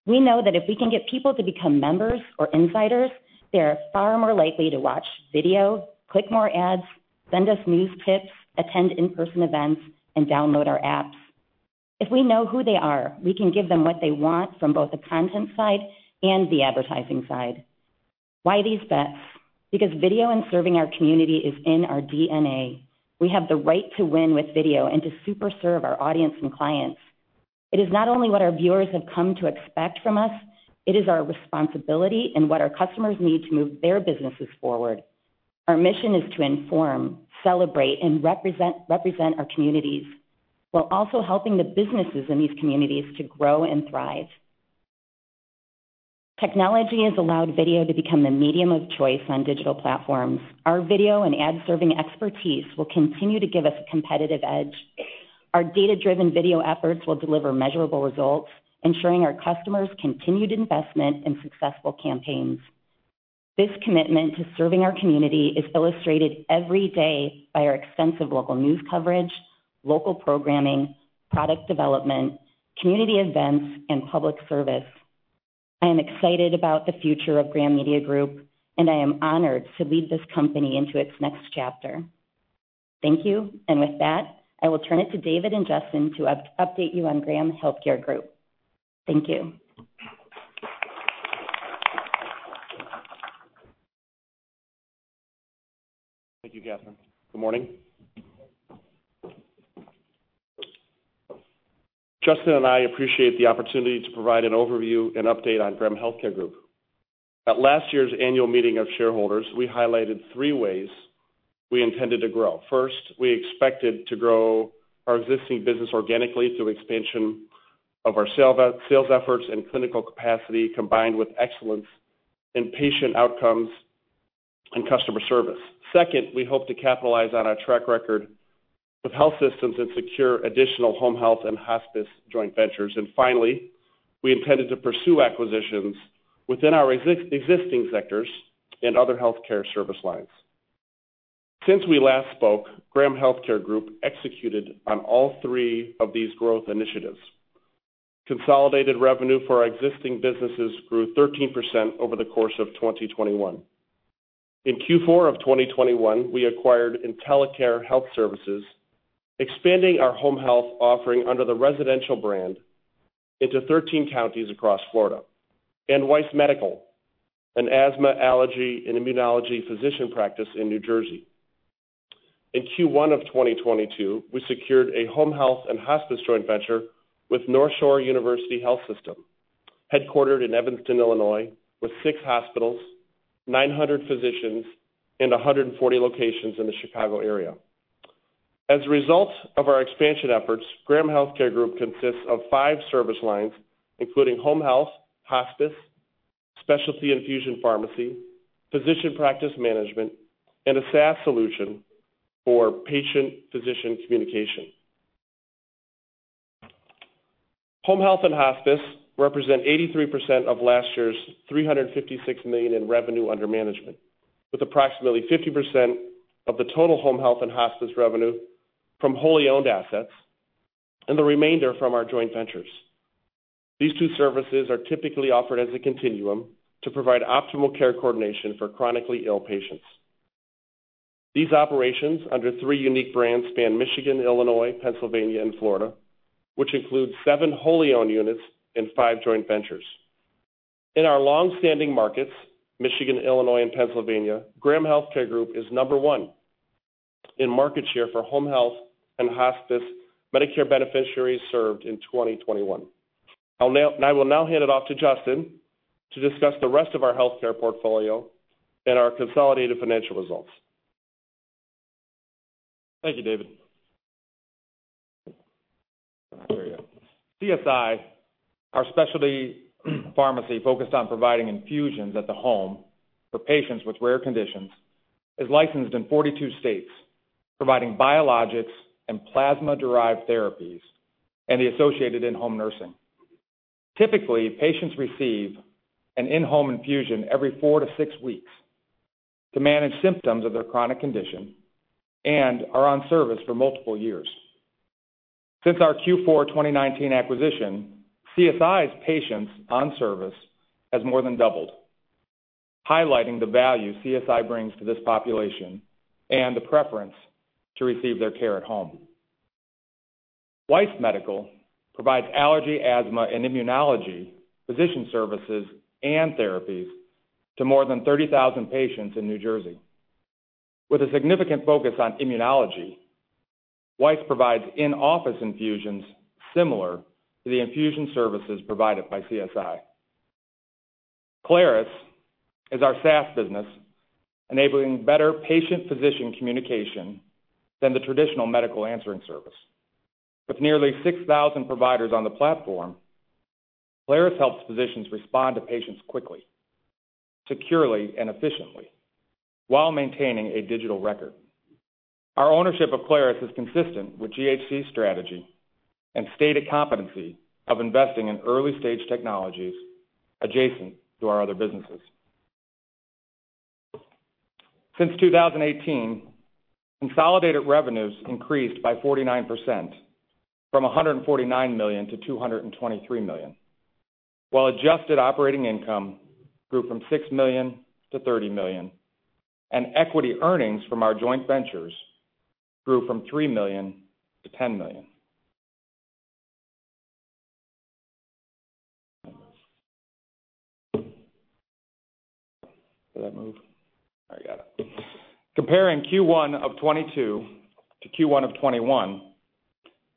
We know that if we can get people to become members or insiders, they are far more likely to watch video, click more ads, send us news tips, attend in-person events and download our apps. If we know who they are, we can give them what they want from both the content side and the advertising side. Why these bets? Because video and serving our community is in our DNA. We have the right to win with video and to super serve our audience and clients. It is not only what our viewers have come to expect from us, it is our responsibility and what our customers need to move their businesses forward. Our mission is to inform, celebrate, and represent our communities while also helping the businesses in these communities to grow and thrive. Technology has allowed video to become the medium of choice on digital platforms. Our video and ad serving expertise will continue to give us a competitive edge. Our data-driven video efforts will deliver measurable results, ensuring our customers continued investment in successful campaigns. This commitment to serving our community is illustrated every day by our extensive local news coverage, local programming, product development, community events and public service. I am excited about the future of Graham Media Group, and I am honored to lead this company into its next chapter. Thank you. With that, I will turn it to David and Justin to update you on Graham Healthcare Group. Thank you. Thank you, Catherine. Good morning. Justin and I appreciate the opportunity to provide an overview and update on Graham Healthcare Group. At last year's annual meeting of shareholders, we highlighted three ways we intended to grow. First, we expected to grow our existing business organically through expansion of our sales efforts and clinical capacity, combined with excellence in patient outcomes and customer service. Second, we hope to capitalize on our track record with health systems and secure additional home health and hospice joint ventures. Finally, we intended to pursue acquisitions within our existing sectors and other healthcare service lines. Since we last spoke, Graham Healthcare Group executed on all three of these growth initiatives. Consolidated revenue for our existing businesses grew 13% over the course of 2021. In Q4 of 2021, we acquired InTeliCare Health Services, expanding our home health offering under the residential brand into 13 counties across Florida. Weiss Medical, an asthma, allergy, and immunology physician practice in New Jersey. In Q1 of 2022, we secured a home health and hospice joint venture with NorthShore University HealthSystem, headquartered in Evanston, Illinois, with six hospitals, 900 physicians and 140 locations in the Chicago area. As a result of our expansion efforts, Graham Healthcare Group consists of five service lines, including home health, hospice, specialty infusion pharmacy, physician practice management, and a SaaS solution for patient physician communication. Home health and hospice represent 83% of last year's $356 million in revenue under management, with approximately 50% of the total home health and hospice revenue from wholly owned assets and the remainder from our joint ventures. These two services are typically offered as a continuum to provide optimal care coordination for chronically ill patients. These operations under three unique brands span Michigan, Illinois, Pennsylvania and Florida, which includes seven wholly owned units and five joint ventures. In our long-standing markets, Michigan, Illinois and Pennsylvania, Graham Healthcare Group is number one in market share for home health and hospice Medicare beneficiaries served in 2021. I will now hand it off to Justin to discuss the rest of our healthcare portfolio and our consolidated financial results. Thank you, David. There you go. CSI, our specialty pharmacy focused on providing infusions at the home for patients with rare conditions, is licensed in 42 states, providing biologics and plasma-derived therapies and the associated in-home nursing. Typically, patients receive an in-home infusion every four to six weeks to manage symptoms of their chronic condition and are on service for multiple years. Since our Q4 2019 acquisition, CSI's patients on service has more than doubled, highlighting the value CSI brings to this population and the preference to receive their care at home. Weiss Medical provides allergy, asthma, and immunology physician services and therapies to more than 30,000 patients in New Jersey. With a significant focus on immunology, Weiss provides in-office infusions similar to the infusion services provided by CSI. Clarus is our SaaS business, enabling better patient-physician communication than the traditional medical answering service. With nearly 6,000 providers on the platform, Clarus helps physicians respond to patients quickly, securely, and efficiently while maintaining a digital record. Our ownership of Clarus is consistent with GHC strategy and stated competency of investing in early-stage technologies adjacent to our other businesses. Since 2018, consolidated revenues increased by 49% from $149 million-$223 million, while adjusted operating income grew from $6 million-$30 million, and equity earnings from our joint ventures grew from $3 million-$10 million. Comparing Q1 of 2022 to Q1 of 2021,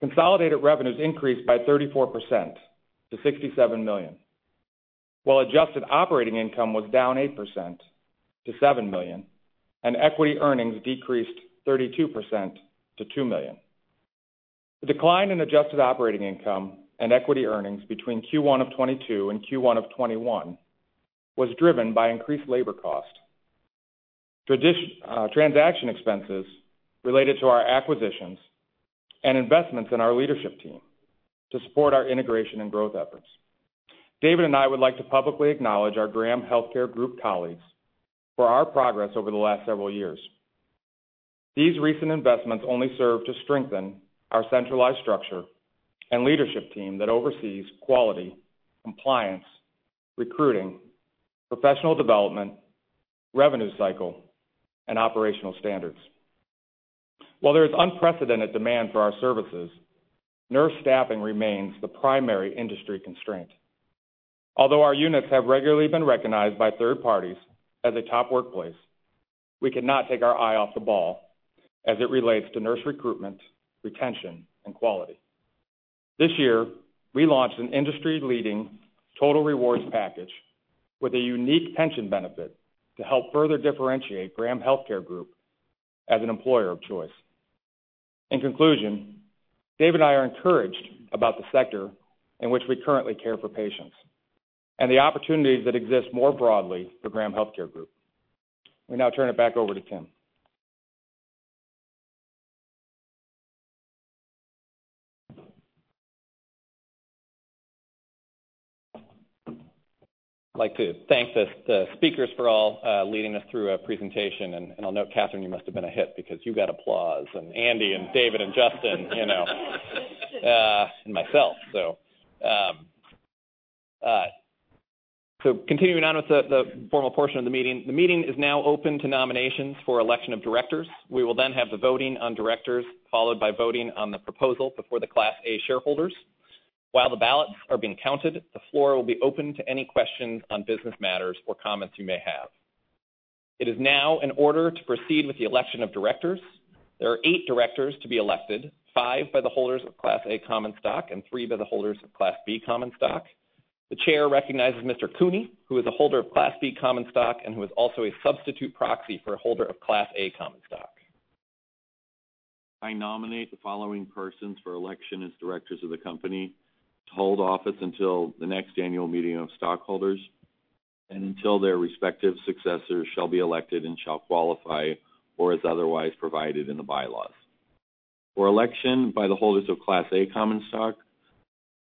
consolidated revenues increased by 34% to $67 million, while adjusted operating income was down 8% to $7 million, and equity earnings decreased 32% to $2 million. The decline in adjusted operating income and equity earnings between Q1 of 2022 and Q1 of 2021 was driven by increased labor cost, transaction expenses related to our acquisitions, and investments in our leadership team to support our integration and growth efforts. David and I would like to publicly acknowledge our Graham Healthcare Group colleagues for our progress over the last several years. These recent investments only serve to strengthen our centralized structure and leadership team that oversees quality, compliance, recruiting, professional development, revenue cycle, and operational standards. While there is unprecedented demand for our services, nurse staffing remains the primary industry constraint. Although our units have regularly been recognized by third parties as a top workplace, we cannot take our eye off the ball as it relates to nurse recruitment, retention, and quality. This year, we launched an industry-leading total rewards package with a unique pension benefit to help further differentiate Graham Healthcare Group as an employer of choice. In conclusion, Dave and I are encouraged about the sector in which we currently care for patients and the opportunities that exist more broadly for Graham Healthcare Group. We now turn it back over to Tim. I'd like to thank the speakers for all leading us through a presentation. I'll note, Catherine, you must have been a hit because you got applause, and Andy and David and Justin, you know, and myself. Continuing on with the formal portion of the meeting. The meeting is now open to nominations for election of directors. We will then have the voting on directors, followed by voting on the proposal before the Class A shareholders. While the ballots are being counted, the floor will be open to any questions on business matters or comments you may have. It is now in order to proceed with the election of directors. There are eight Directors to be elected, five by the holders of Class A common stock and three by the holders of Class B common stock. The chair recognizes Mr. Cooney, who is a holder of Class B common stock and who is also a substitute proxy for a holder of Class A common stock. I nominate the following persons for election as directors of the company to hold office until the next annual meeting of stockholders and until their respective successors shall be elected and shall qualify or as otherwise provided in the bylaws. For election by the holders of Class A common stock,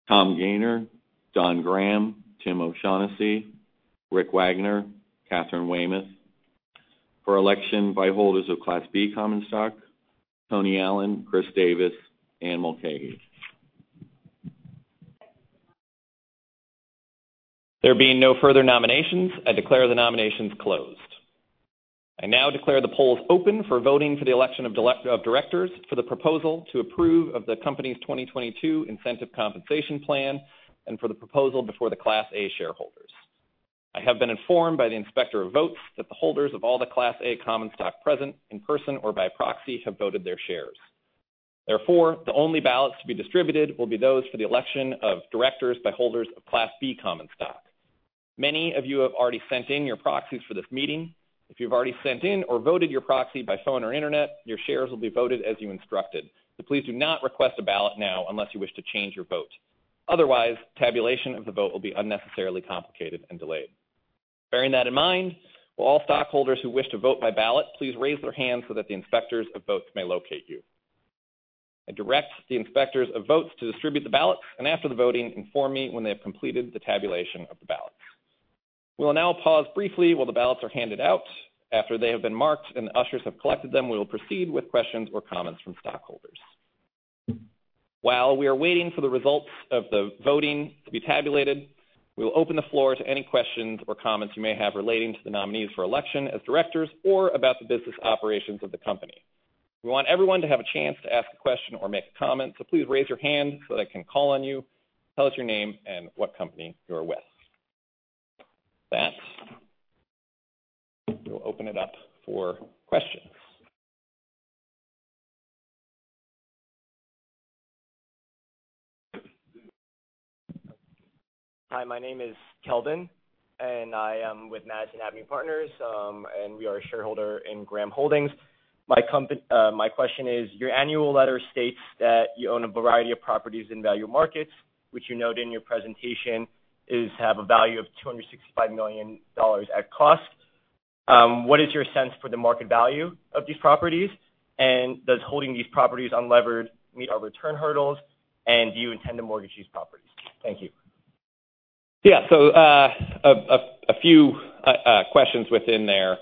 Tom Gayner, Don Graham, Tim O'Shaughnessy, Rick Wagoner, Katharine Weymouth. For election by holders of Class B common stock, Tony Allen, Chris Davis, Anne Mulcahy. There being no further nominations, I declare the nominations closed. I now declare the polls open for voting for the election of Directors, for the proposal to approve of the company's 2022 incentive compensation plan, and for the proposal before the Class A shareholders. I have been informed by the inspector of votes that the holders of all the Class A common stock present in person or by proxy have voted their shares. Therefore, the only ballots to be distributed will be those for the election of Directors by holders of Class B common stock. Many of you have already sent in your proxies for this meeting. If you've already sent in or voted your proxy by phone or internet, your shares will be voted as you instructed. Please do not request a ballot now unless you wish to change your vote. Otherwise, tabulation of the vote will be unnecessarily complicated and delayed. Bearing that in mind, will all stockholders who wish to vote by ballot, please raise their hand so that the inspectors of votes may locate you. I direct the inspectors of votes to distribute the ballots, and after the voting, inform me when they have completed the tabulation of the ballots. We will now pause briefly while the ballots are handed out. After they have been marked and the ushers have collected them, we will proceed with questions or comments from stockholders. While we are waiting for the results of the voting to be tabulated, we will open the floor to any questions or comments you may have relating to the nominees for election as directors or about the business operations of the company. We want everyone to have a chance to ask a question or make a comment, so please raise your hand so that I can call on you. Tell us your name and what company you are with. With that, we'll open it up for questions. Hi, my name is Kelvin, and I am with Madison Avenue Partners, and we are a shareholder in Graham Holdings. My question is, your annual letter states that you own a variety of properties in value markets, which you note in your presentation is have a value of $265 million at cost. What is your sense for the market value of these properties? Does holding these properties unlevered meet our return hurdles, and do you intend to mortgage these properties? Thank you. Yeah. A few questions within there.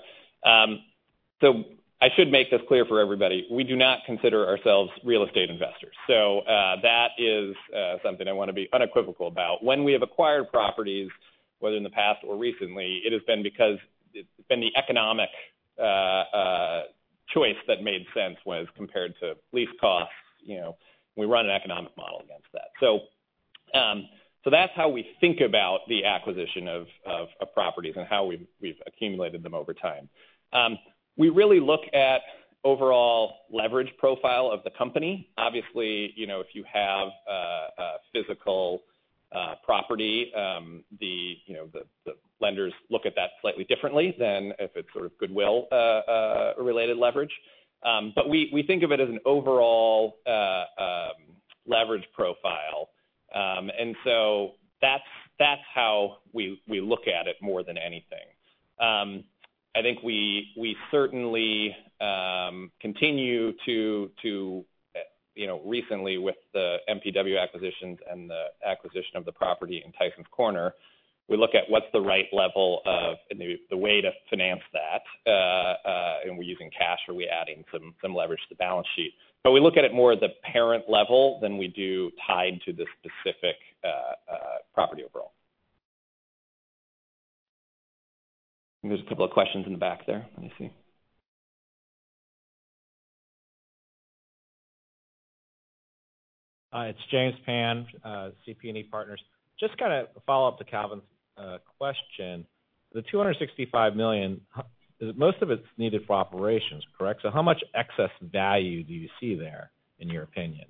I should make this clear for everybody. We do not consider ourselves real estate investors. That is something I wanna be unequivocal about. When we have acquired properties, whether in the past or recently, it has been because it's been the economic choice that made sense was compared to lease costs. You know, we run an economic model against that. That's how we think about the acquisition of properties and how we've accumulated them over time. We really look at overall leverage profile of the company. Obviously, you know, if you have physical property, you know, the lenders look at that slightly differently than if it's sort of goodwill related leverage. We think of it as an overall leverage profile. That's how we look at it more than anything. I think we certainly continue to, you know, recently with the MPW acquisitions and the acquisition of the property in Tysons Corner, we look at what's the right level of and the way to finance that, and we're using cash, are we adding some leverage to the balance sheet? We look at it more at the parent level than we do tied to the specific property overall. There's a couple of questions in the back there. Let me see. It's James Pan, CP&E Partners. Just kinda follow up to Kelvin's question. The $265 million, most of it's needed for operations, correct? How much excess value do you see there, in your opinion?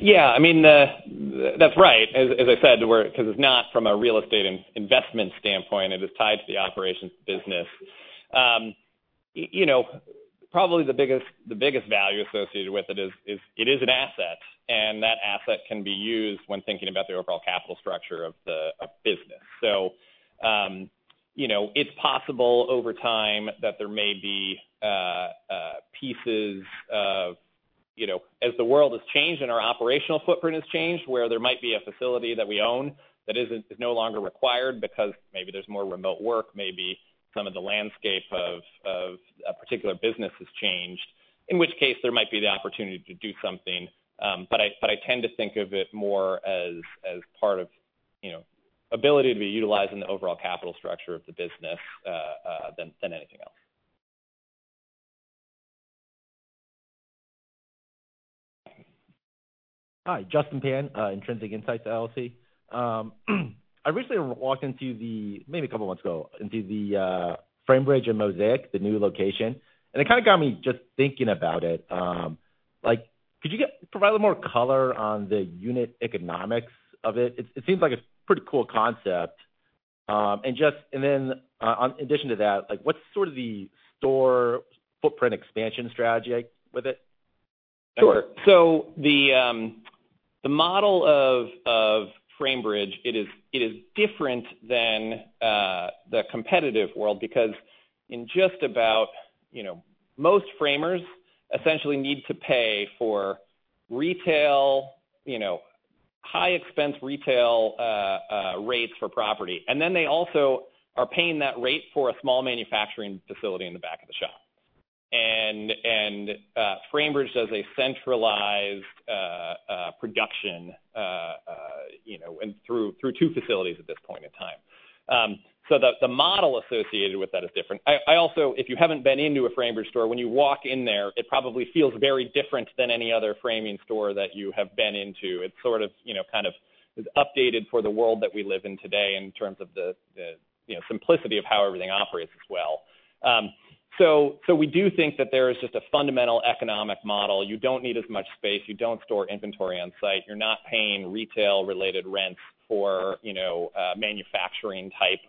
Yeah, I mean, that's right. As I said, 'cause it's not from a real estate investment standpoint, it is tied to the operations business. You know, probably the biggest value associated with it is. It is an asset, and that asset can be used when thinking about the overall capital structure of the business. You know, it's possible over time that there may be pieces of, you know, as the world has changed and our operational footprint has changed, where there might be a facility that we own that is no longer required because maybe there's more remote work, maybe some of the landscape of a particular business has changed. In which case, there might be the opportunity to do something, but I tend to think of it more as part of, you know, ability to be utilized in the overall capital structure of the business, than anything else. Hi, Justin Pan, Intrinsic Insights LLC. I recently walked into the Framebridge in Mosaic, maybe a couple of months ago, the new location. It kinda got me just thinking about it, like, could you provide a little more color on the unit economics of it? It seems like a pretty cool concept. In addition to that, like, what's sort of the store footprint expansion strategy with it? Sure. The model of Framebridge, it is different than the competitive world because in just about, you know, most framers essentially need to pay for retail, you know, high expense retail rates for property. They also are paying that rate for a small manufacturing facility in the back of the shop. Framebridge does a centralized production, you know, and through two facilities at this point in time. The model associated with that is different. I also, if you haven't been into a Framebridge store, when you walk in there, it probably feels very different than any other framing store that you have been into. It's sort of, you know, kind of is updated for the world that we live in today in terms of the simplicity of how everything operates as well. We do think that there is just a fundamental economic model. You don't need as much space, you don't store inventory on site, you're not paying retail-related rents for, you know, manufacturing type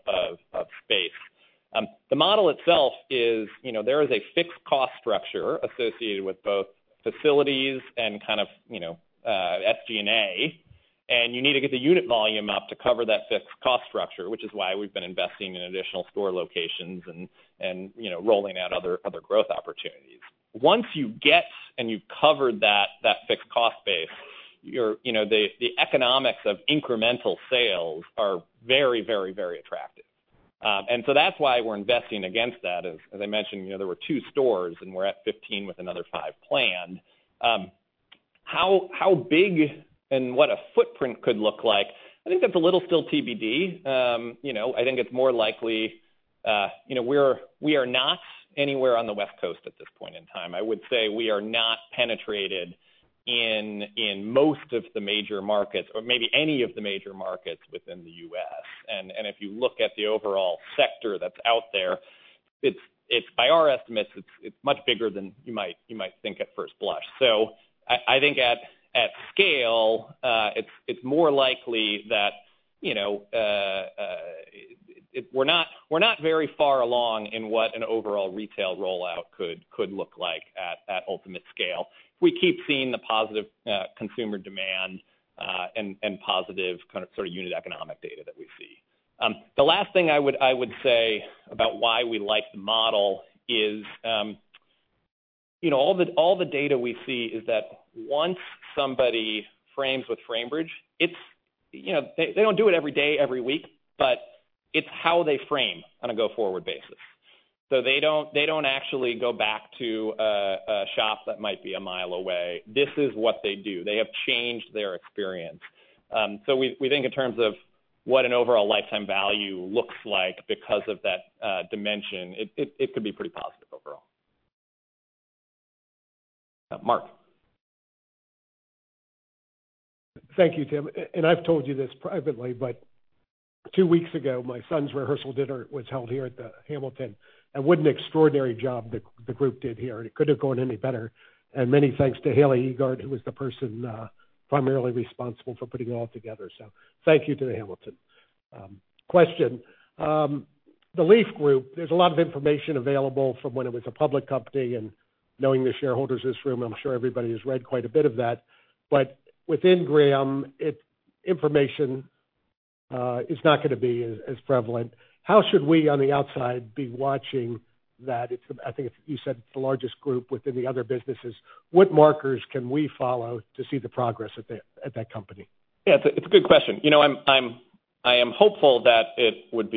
of space. The model itself is, you know, there is a fixed cost structure associated with both facilities and SG&A, and you need to get the unit volume up to cover that fixed cost structure, which is why we've been investing in additional store locations and, you know, rolling out other growth opportunities. Once you get and you've covered that fixed cost base, you're, you know, the economics of incremental sales are very attractive. That's why we're investing against that. As I mentioned, you know, there were two stores, and we're at 15 with another five planned. How big and what a footprint could look like, I think that's still a little TBD. You know, I think it's more likely, you know, we are not anywhere on the West Coast at this point in time. I would say we are not penetrated in most of the major markets or maybe any of the major markets within the U.S. If you look at the overall sector that's out there, it's by our estimates much bigger than you might think at first blush. I think at scale it's more likely that you know we're not very far along in what an overall retail rollout could look like at ultimate scale. We keep seeing the positive consumer demand and positive kind of sort of unit economic data that we see. The last thing I would say about why we like the model is you know all the data we see is that once somebody frames with Framebridge it's you know they don't do it every day every week but it's how they frame on a go-forward basis. They don't actually go back to a shop that might be a mile away. This is what they do. They have changed their experience. We think in terms of what an overall lifetime value looks like because of that dimension, it could be pretty positive overall. Mark? Thank you, Tim. I've told you this privately, but two weeks ago, my son's rehearsal dinner was held here at The Hamilton, and what an extraordinary job the group did here. It couldn't have gone any better. Many thanks to [Haleigh Edgar], who was the person primarily responsible for putting it all together. Thank you to The Hamilton. Question. The Leaf Group, there's a lot of information available from when it was a public company, and knowing the shareholders in this room, I'm sure everybody has read quite a bit of that. Within Graham, information is not gonna be as prevalent. How should we, on the outside, be watching that? I think you said it's the largest group within the other businesses. What markers can we follow to see the progress at that company? Yeah, it's a good question. You know, I am hopeful that it would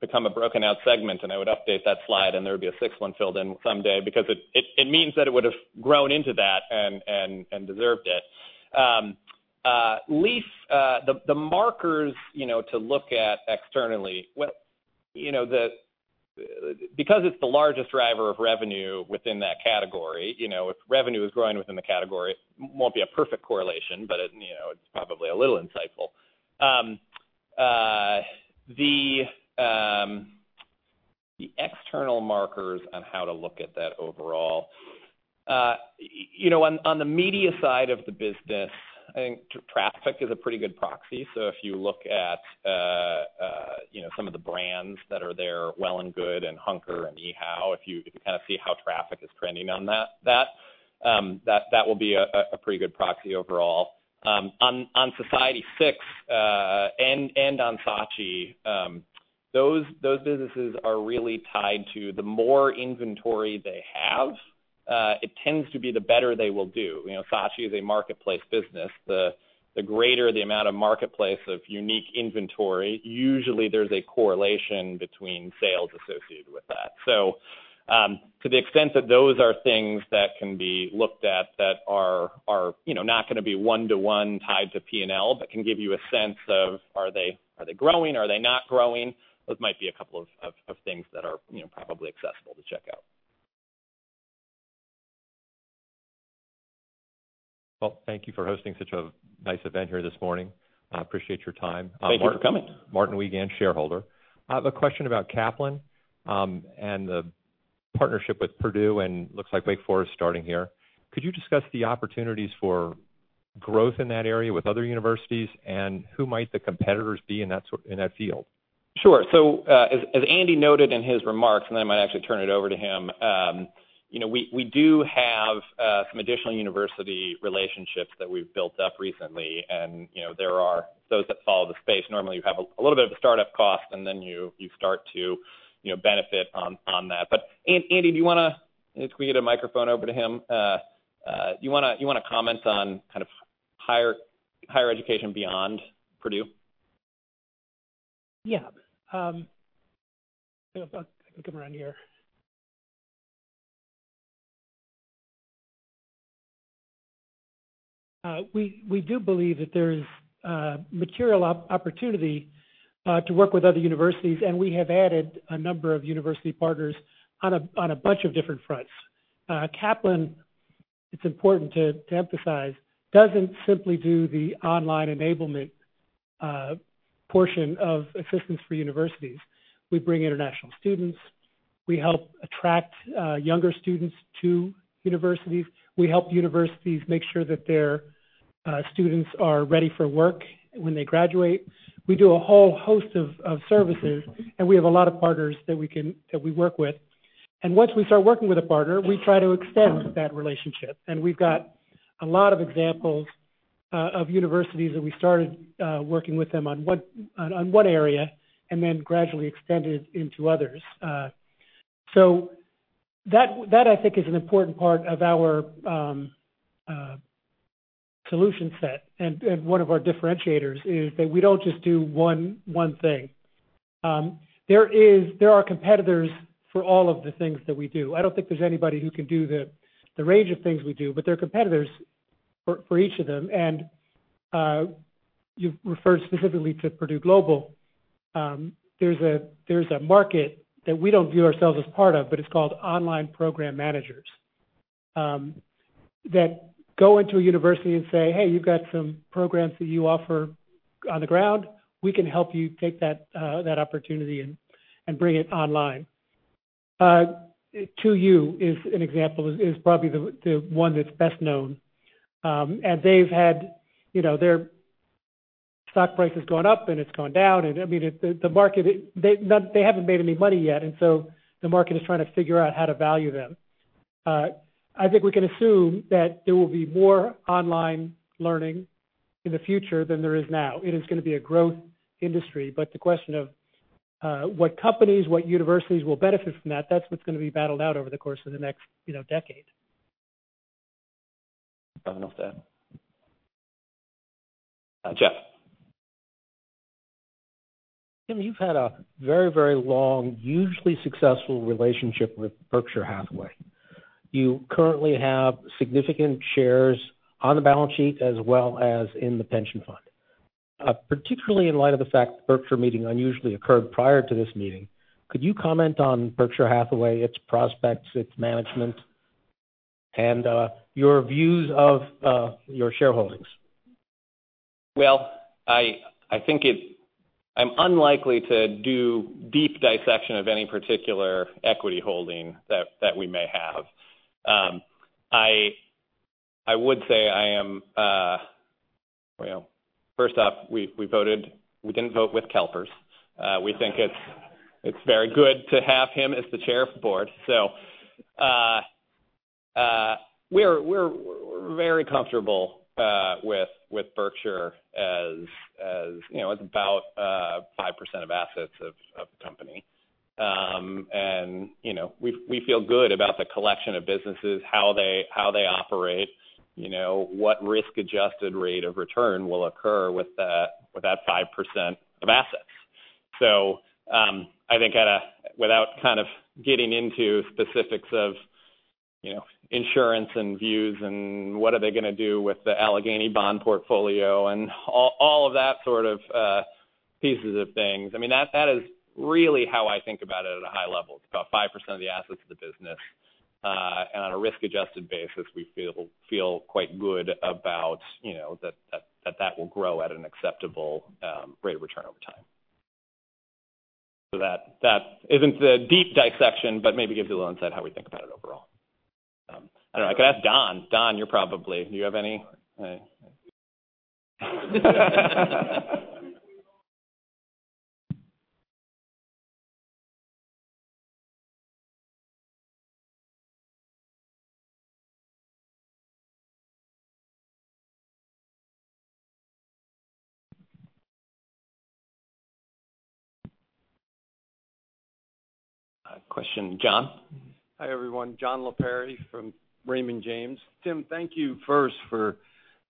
become a broken out segment and I would update that slide, and there would be a sixth one filled in someday because it means that it would have grown into that and deserved it. Leaf, the markers, you know, to look at externally. You know, because it's the largest driver of revenue within that category, you know, if revenue is growing within the category, it won't be a perfect correlation, but, you know, it's probably a little insightful. The external markers on how to look at that overall. You know, on the media side of the business, I think traffic is a pretty good proxy. If you look at, you know, some of the brands that are there, Well+Good and Hunker and eHow, if you can kind of see how traffic is trending on that will be a pretty good proxy overall. On Society6 and on Saatchi, those businesses are really tied to the more inventory they have, it tends to be the better they will do. You know, Saatchi is a marketplace business. The greater the amount of marketplace of unique inventory, usually there's a correlation between sales associated with that. To the extent that those are things that can be looked at that are, you know, not gonna be one-to-one tied to P&L, but can give you a sense of are they growing, are they not growing? Those might be a couple of things that are, you know, probably accessible to check out. Well, thank you for hosting such a nice event here this morning. I appreciate your time. Thank you for coming. Martin Wiegand, shareholder. I have a question about Kaplan, and the partnership with Purdue and looks like Wake Forest starting here. Could you discuss the opportunities for growth in that area with other universities, and who might the competitors be in that field? Sure. As Andy noted in his remarks, and I might actually turn it over to him, we do have some additional university relationships that we've built up recently and there are those that follow the space. Normally, you have a little bit of a start-up cost and then you start to benefit on that. Andy, do you want to. If we get a microphone over to him. Do you want to comment on kind of higher education beyond Purdue. Yeah. If I can come around here. We do believe that there's material opportunity to work with other universities, and we have added a number of university partners on a bunch of different fronts. Kaplan. It's important to emphasize doesn't simply do the online enablement portion of assistance for universities. We bring international students. We help attract younger students to universities. We help universities make sure that their students are ready for work when they graduate. We do a whole host of services, and we have a lot of partners that we work with. Once we start working with a partner, we try to extend that relationship. We've got a lot of examples of universities that we started working with them on what area and then gradually extended into others. That I think is an important part of our solution set. One of our differentiators is that we don't just do one thing. There are competitors for all of the things that we do. I don't think there's anybody who can do the range of things we do, but there are competitors for each of them. You referred specifically to Purdue Global. There's a market that we don't view ourselves as part of, but it's called online program managers that go into a university and say, "Hey, you've got some programs that you offer on the ground. We can help you take that opportunity and bring it online." 2U is an example, probably the one that's best known. They've had their stock price has gone up and it's gone down. I mean, the market. They haven't made any money yet, and so the market is trying to figure out how to value them. I think we can assume that there will be more online learning in the future than there is now. It is gonna be a growth industry. The question of what companies, what universities will benefit from that's what's gonna be battled out over the course of the next, you know, decade. Fair enough there. Jeff. Tim, you've had a very, very long, hugely successful relationship with Berkshire Hathaway. You currently have significant shares on the balance sheet as well as in the pension fund. Particularly in light of the fact the Berkshire meeting unusually occurred prior to this meeting, could you comment on Berkshire Hathaway, its prospects, its management, and your views of your shareholdings? I think I'm unlikely to do deep dissection of any particular equity holding that we may have. I would say I am. Well, first off, we voted. We didn't vote with CalPERS. We think it's very good to have him as the Chair of the Board. We're very comfortable with Berkshire, you know, it's about 5% of assets of the company. And you know, we feel good about the collection of businesses, how they operate. You know, what risk-adjusted rate of return will occur with that 5% of assets. I think without kind of getting into specifics of, you know, insurance and views and what are they gonna do with the Alleghany bond portfolio and all of that sort of pieces of things. I mean, that is really how I think about it at a high level. It's about 5% of the assets of the business. And on a risk-adjusted basis, we feel quite good about, you know, that will grow at an acceptable rate of return over time. That isn't the deep dissection, but maybe gives you a little insight how we think about it overall. I don't know. I could ask Don. Don, you're probably... Do you have any... Question. John? Hi, everyone. John Lapari from Raymond James. Tim, thank you first for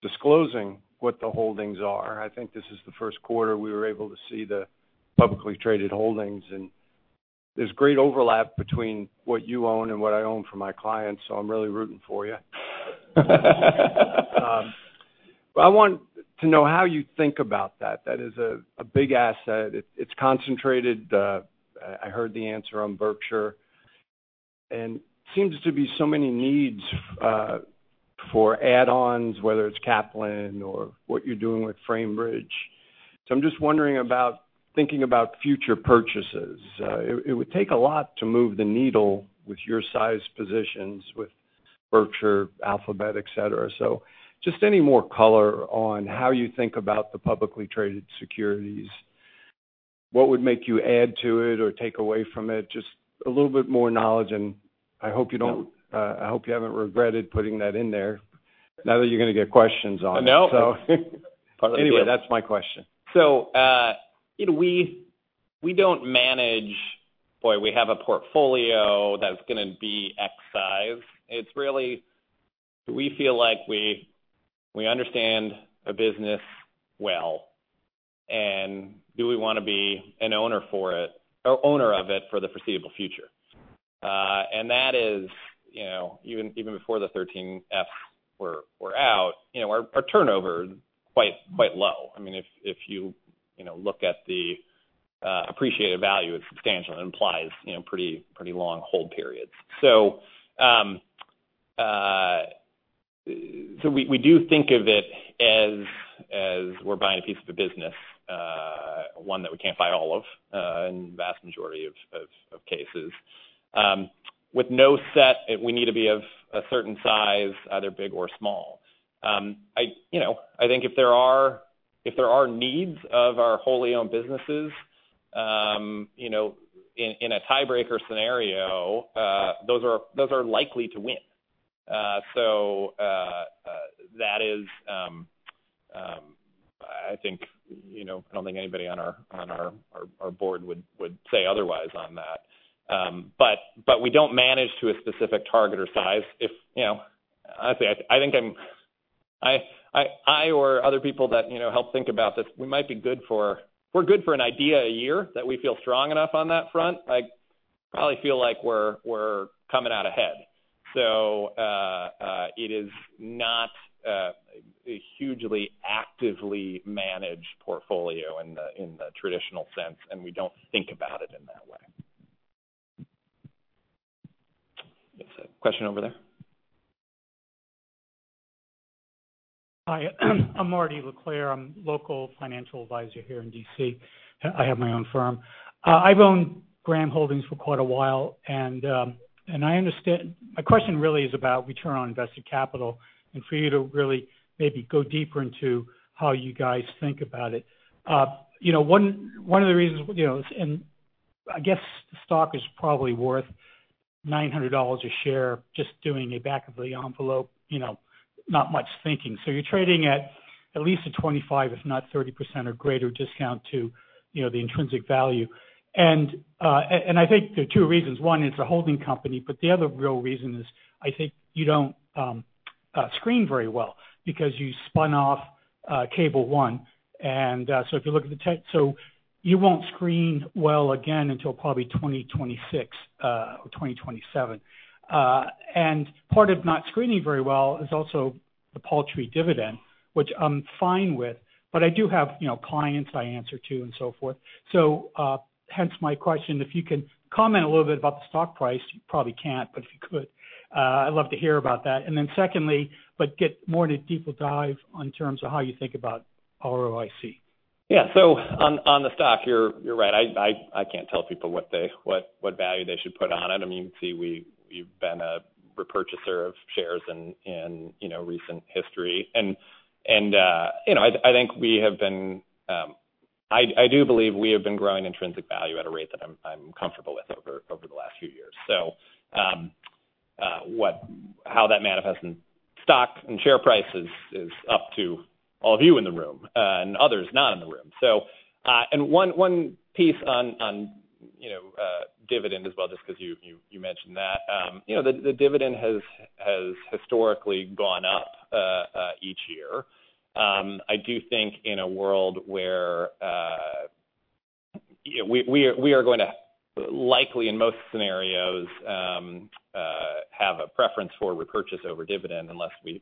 disclosing what the holdings are. I think this is the first quarter we were able to see the publicly traded holdings, and there's great overlap between what you own and what I own for my clients, so I'm really rooting for you. But I want to know how you think about that. That is a big asset. It is concentrated. I heard the answer on Berkshire. Seems to be so many needs for add-ons, whether it's Kaplan or what you're doing with Framebridge. I'm just wondering about thinking about future purchases. It would take a lot to move the needle with your size positions with Berkshire, Alphabet, et cetera. Just any more color on how you think about the publicly traded securities. What would make you add to it or take away from it? Just a little bit more knowledge, and I hope you don't. No. I hope you haven't regretted putting that in there now that you're gonna get questions on it. No. Anyway, that's my question. You know, we don't manage, boy, we have a portfolio that's gonna be X size. It's really, do we feel like we understand a business well, and do we wanna be an owner for it or owner of it for the foreseeable future? That is, you know, even before the 13Fs were out, you know, our turnover is quite low. I mean, if you know, look at the Appreciated value is substantial. It implies, you know, pretty long hold periods. We do think of it as we're buying a piece of a business, one that we can't buy all of, in vast majority of cases. With no set, if we need to be of a certain size, either big or small. You know, I think if there are needs of our wholly owned businesses, you know, in a tiebreaker scenario, those are likely to win. That is, I think, you know, I don't think anybody on our board would say otherwise on that. We don't manage to a specific target or size. If you know... I'd say I think I or other people that, you know, help think about this, we might be good for an idea a year that we feel strong enough on that front. I probably feel like we're coming out ahead. It is not a hugely actively managed portfolio in the traditional sense, and we don't think about it in that way. There's a question over there. Hi. I'm Marty Leclerc. I'm a local financial advisor here in D.C. I have my own firm. I've owned Graham Holdings for quite a while, and I understand. My question really is about return on invested capital and for you to really maybe go deeper into how you guys think about it. You know, one of the reasons, you know. I guess the stock is probably worth $900 a share, just doing a back of the envelope, you know, not much thinking. You're trading at least a 25%, if not 30% or greater discount to, you know, the intrinsic value. I think there are two reasons. One is a holding company, but the other real reason is, I think you don't screen very well because you spun off Cable One. If you look at the. You won't screen well again until probably 2026 or 2027. Part of not screening very well is also the paltry dividend, which I'm fine with, but I do have, you know, clients I answer to and so forth. Hence my question, if you can comment a little bit about the stock price, you probably can't, but if you could, I'd love to hear about that. Get more into deeper dive on terms of how you think about ROIC. Yeah. On the stock, you're right. I can't tell people what value they should put on it. I mean, you can see we've been a repurchaser of shares in, you know, recent history. You know, I think we have been. I do believe we have been growing intrinsic value at a rate that I'm comfortable with over the last few years. How that manifests in stock and share prices is up to all of you in the room and others not in the room. One piece on, you know, dividend as well, just 'cause you mentioned that, you know, the dividend has historically gone up each year. I do think in a world where we are going to likely in most scenarios have a preference for repurchase over dividend unless it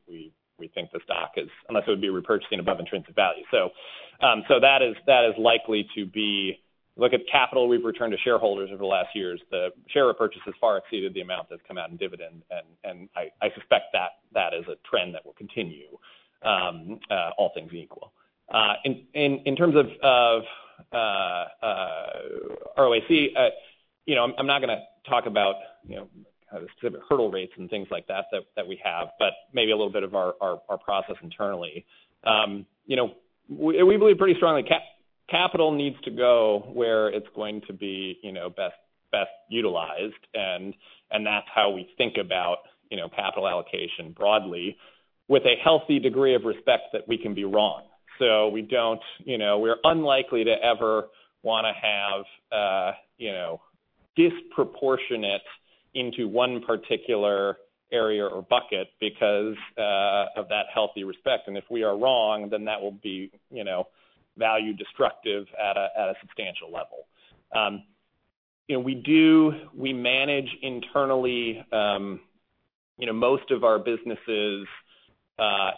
would be repurchasing above intrinsic value. That is likely to be. Look at capital we've returned to shareholders over the last years. The share repurchase has far exceeded the amount that's come out in dividend, and I suspect that is a trend that will continue, all things being equal. In terms of ROIC, you know, I'm not gonna talk about, you know, kind of specific hurdle rates and things like that that we have, but maybe a little bit of our process internally. You know, we believe pretty strongly capital needs to go where it's going to be, you know, best utilized, and that's how we think about, you know, capital allocation broadly with a healthy degree of respect that we can be wrong. We don't, you know, we're unlikely to ever wanna have, you know, disproportionate into one particular area or bucket because of that healthy respect. If we are wrong, then that will be, you know, value destructive at a substantial level. You know, we manage internally, you know, most of our businesses,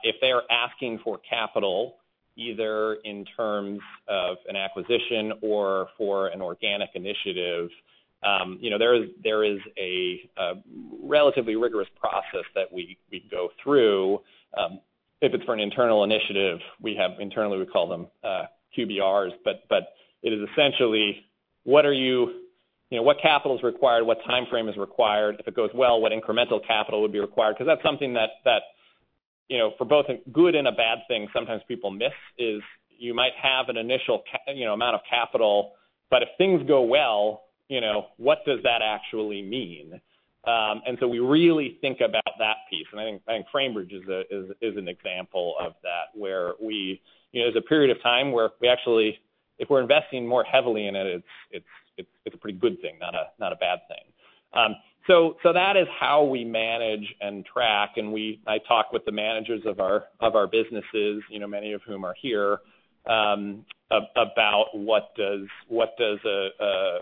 if they are asking for capital, either in terms of an acquisition or for an organic initiative, you know, there is a relatively rigorous process that we go through. If it's for an internal initiative, we have internally, we call them QBRs. But it is essentially what are you know, what capital is required? What time frame is required? If it goes well, what incremental capital would be required? 'Cause that's something that, you know, for both a good and a bad thing, sometimes people miss, is you might have an initial amount of capital, but if things go well, you know, what does that actually mean? So we really think about that piece. I think Framebridge is an example of that, where you know, there's a period of time where we actually, if we're investing more heavily in it's a pretty good thing, not a bad thing. That is how we manage and track. I talk with the managers of our businesses, you know, many of whom are here, about what does the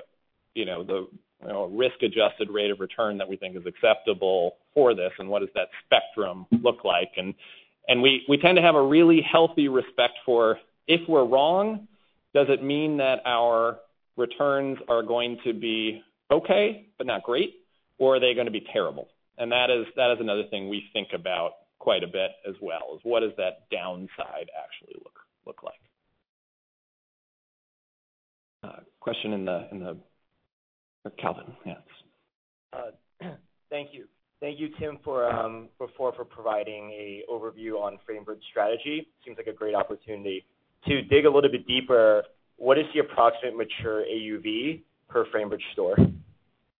risk adjusted rate of return that we think is acceptable for this and what does that spectrum look like? We tend to have a really healthy respect for if we're wrong, does it mean that our returns are going to be okay but not great, or are they gonna be terrible? That is another thing we think about quite a bit as well, is what does that downside actually look like. Kelvin, yes. Thank you, Tim, for providing an overview on Framebridge strategy. Seems like a great opportunity. To dig a little bit deeper, what is the approximate mature AUV per Framebridge store?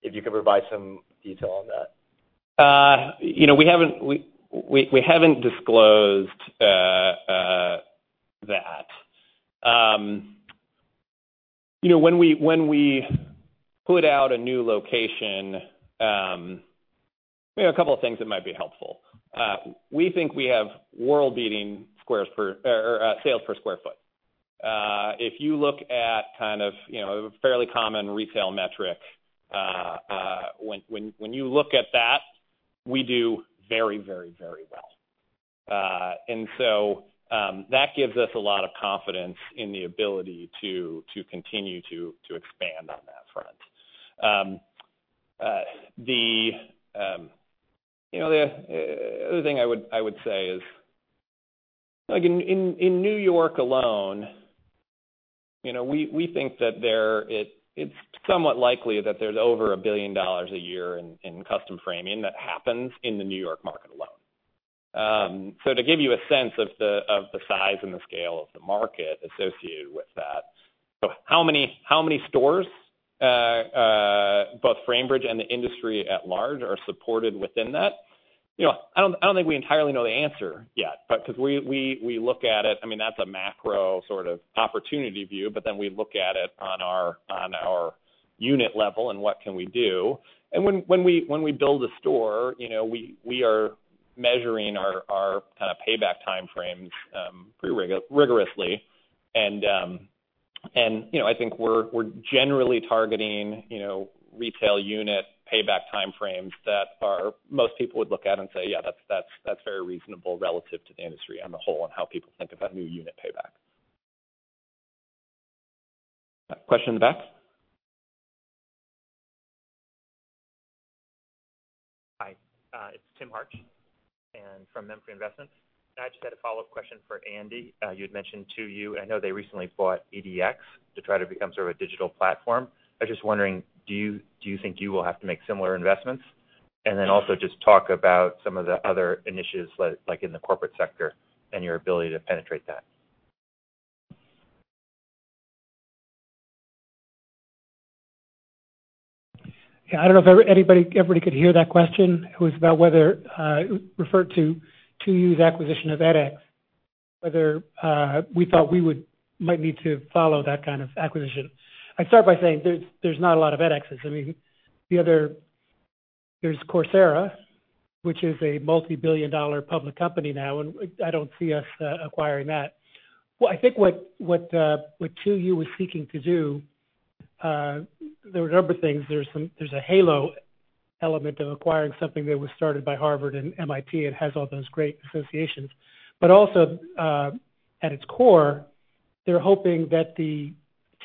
If you could provide some detail on that. You know, we haven't disclosed that. You know, when we put out a new location, you know, a couple of things that might be helpful. We think we have world-leading sales per square foot. If you look at kind of, you know, a fairly common retail metric, when you look at that, we do very well. That gives us a lot of confidence in the ability to continue to expand on that front. The other thing I would say is, like in New York alone, you know, we think that it's somewhat likely that there's over $1 billion a year in custom framing that happens in the New York market alone. To give you a sense of the size and the scale of the market associated with that. How many stores both Framebridge and the industry at large are supported within that? You know, I don't think we entirely know the answer yet, but 'cause we look at it. I mean, that's a macro sort of opportunity view, but then we look at it on our unit level and what can we do. When we build a store, you know, we are measuring our kinda payback time frames pretty rigorously. You know, I think we're generally targeting, you know, retail unit payback time frames that are most people would look at and say, "Yeah, that's very reasonable relative to the industry on the whole and how people think about new unit payback. Question in back. Hi, it's Tim Hartch from Memphre Investments. I just had a follow-up question for Andy. You had mentioned 2U. I know they recently bought edX to try to become sort of a digital platform. I was just wondering, do you think you will have to make similar investments? Also just talk about some of the other initiatives like in the corporate sector and your ability to penetrate that. Yeah. I don't know if everybody could hear that question. It was about whether referred to 2U's acquisition of edX, whether we thought we might need to follow that kind of acquisition. I'd start by saying there's not a lot of edX's. I mean, there's Coursera, which is a multi-billion-dollar public company now, and I don't see us acquiring that. Well, I think what 2U was seeking to do, there were a number of things. There's a halo element of acquiring something that was started by Harvard and MIT. It has all those great associations. Also, at its core, they're hoping that the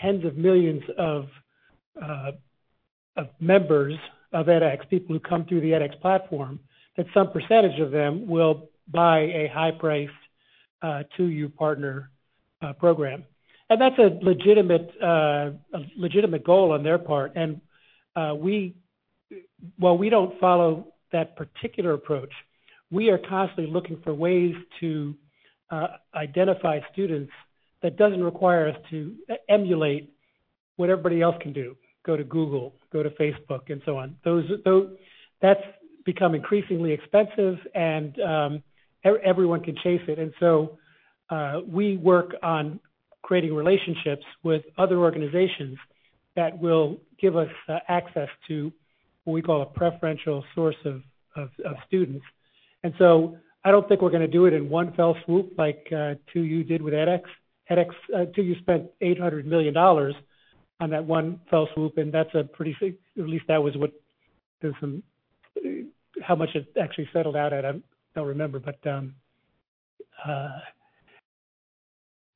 tens of millions of members of edX, people who come through the edX platform, that some percentage of them will buy a high-priced 2U partner program. That's a legitimate goal on their part. While we don't follow that particular approach, we are constantly looking for ways to identify students that doesn't require us to emulate what everybody else can do. Go to Google, go to Facebook, and so on. That's become increasingly expensive and everyone can chase it. We work on creating relationships with other organizations that will give us access to what we call a preferential source of students. I don't think we're gonna do it in one fell swoop like 2U did with edX. edX, 2U spent $800 million on that one fell swoop, and that's a pretty. At least that was what there's some. How much it actually settled out at, I don't remember. That's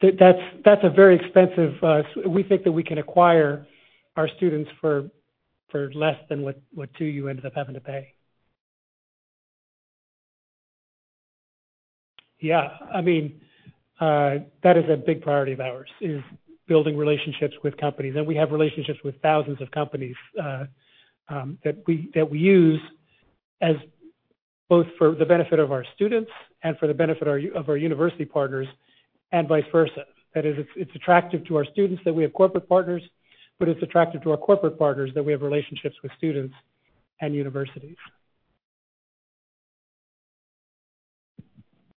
a very expensive. We think that we can acquire our students for less than what 2U ended up having to pay. Yeah. I mean, that is a big priority of ours, is building relationships with companies. We have relationships with thousands of companies that we use as both for the benefit of our students and for the benefit of our university partners and vice versa. That is, it's attractive to our students that we have corporate partners, but it's attractive to our corporate partners that we have relationships with students and universities.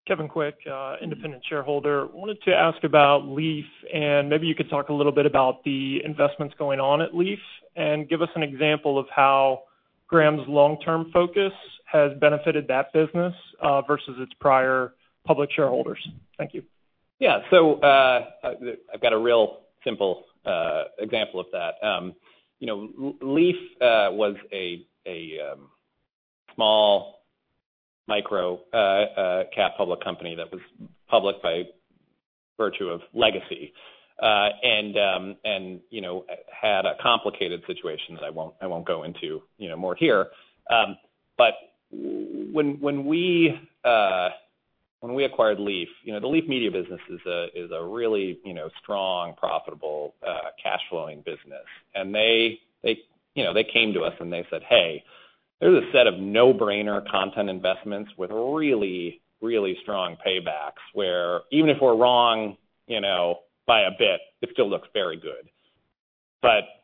Kevin Quick, independent shareholder. Wanted to ask about Leaf, and maybe you could talk a little bit about the investments going on at Leaf and give us an example of how Graham's long-term focus has benefited that business, versus its prior public shareholders. Thank you. Yeah. I've got a real simple example of that. You know, Leaf was a small micro-cap public company that was public by virtue of legacy, you know, had a complicated situation that I won't go into more here. When we acquired Leaf, you know, the Leaf media business is a really, you know, strong, profitable, cash flowing business. They, you know, came to us and they said, "Hey, there's a set of no-brainer content investments with really strong paybacks where even if we're wrong, you know, by a bit, it still looks very good."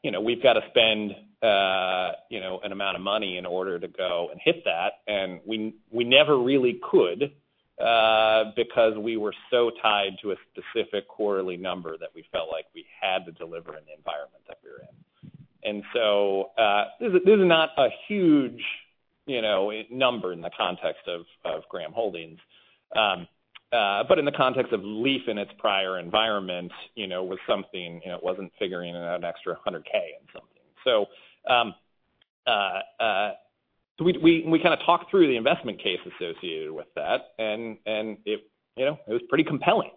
You know, we've got to spend, you know, an amount of money in order to go and hit that. We never really could because we were so tied to a specific quarterly number that we felt like we had to deliver in the environment that we were in. This is not a huge, you know, number in the context of Graham Holdings. But in the context of Leaf in its prior environment, you know, was something, you know, it wasn't figuring out an extra $100,000 in something. We kinda talked through the investment case associated with that and it, you know, it was pretty compelling.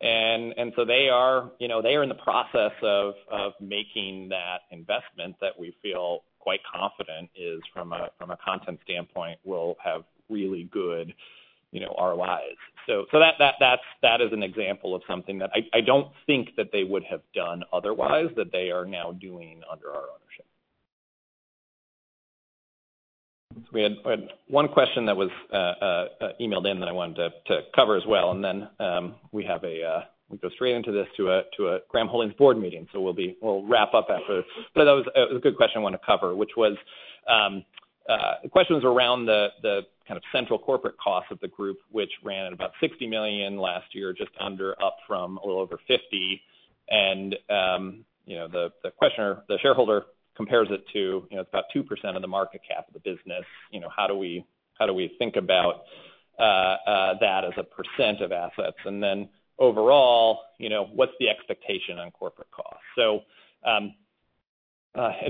They are, you know, they are in the process of making that investment that we feel quite confident is from a content standpoint will have really good, you know, ROIs. That is an example of something that I don't think that they would have done otherwise that they are now doing under our ownership. We had one question that was emailed in that I wanted to cover as well, then we go straight into this to a Graham Holdings board meeting. We'll wrap up after. That was a good question I wanna cover, which was the question's around the kind of central corporate costs of the group, which ran at about $60 million last year, just under up from a little over $50. You know, the questioner, the shareholder compares it to, you know, it's about 2% of the market cap of the business. You know, how do we think about that as a percent of assets? Overall, you know, what's the expectation on corporate costs?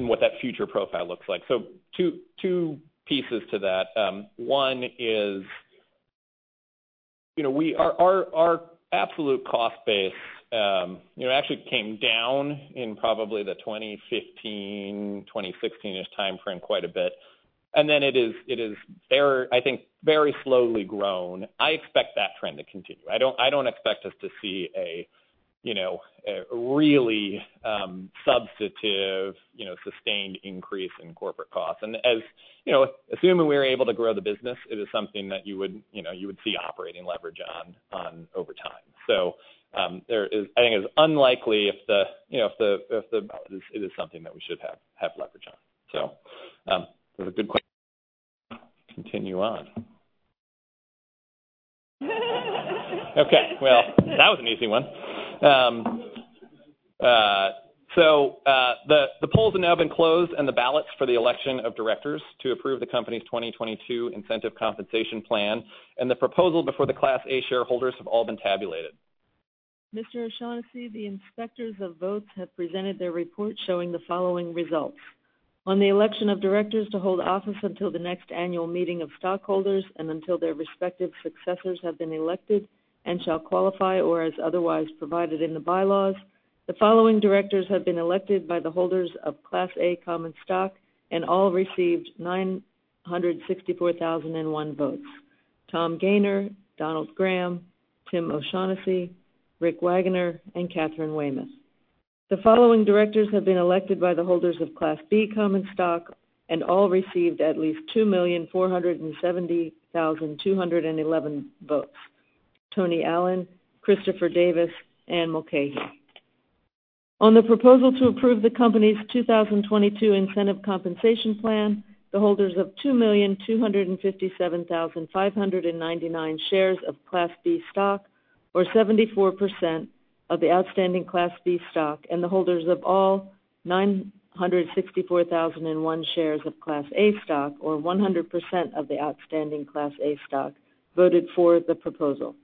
What that future profile looks like. Two pieces to that. One is, you know, our absolute cost base, you know, actually came down in probably the 2015, 2016-ish timeframe quite a bit. It has, I think, very slowly grown. I expect that trend to continue. I don't expect us to see a, you know, a really, substantive, you know, sustained increase in corporate costs. As you know, assuming we are able to grow the business, it is something that you would, you know, see operating leverage on over time. I think it's unlikely if the, you know, if the ballot is something that we should have leverage on. Well, that was an easy one. The polls have now been closed, and the ballots for the election of Directors to approve the company's 2022 incentive compensation plan, and the proposal before the Class A shareholders have all been tabulated. Mr. O'Shaughnessy, the inspectors of votes have presented their report showing the following results. On the election of Directors to hold office until the next annual meeting of stockholders and until their respective successors have been elected and shall qualify or as otherwise provided in the bylaws, the following Directors have been elected by the holders of Class A common stock and all received 964,001 votes. Tom Gayner, Donald Graham, Tim O'Shaughnessy, Rick Wagoner, and Katharine Weymouth. The following directors have been elected by the holders of Class B common stock and all received at least 2,470,211 votes. Tony Allen, Christopher Davis, Anne Mulcahy. On the proposal to approve the company's 2022 incentive compensation plan, the holders of 2,257,599 shares of Class B stock, or 74% of the outstanding Class B stock, and the holders of all 964,001 shares of Class A stock, or 100% of the outstanding Class A stock, voted for the proposal.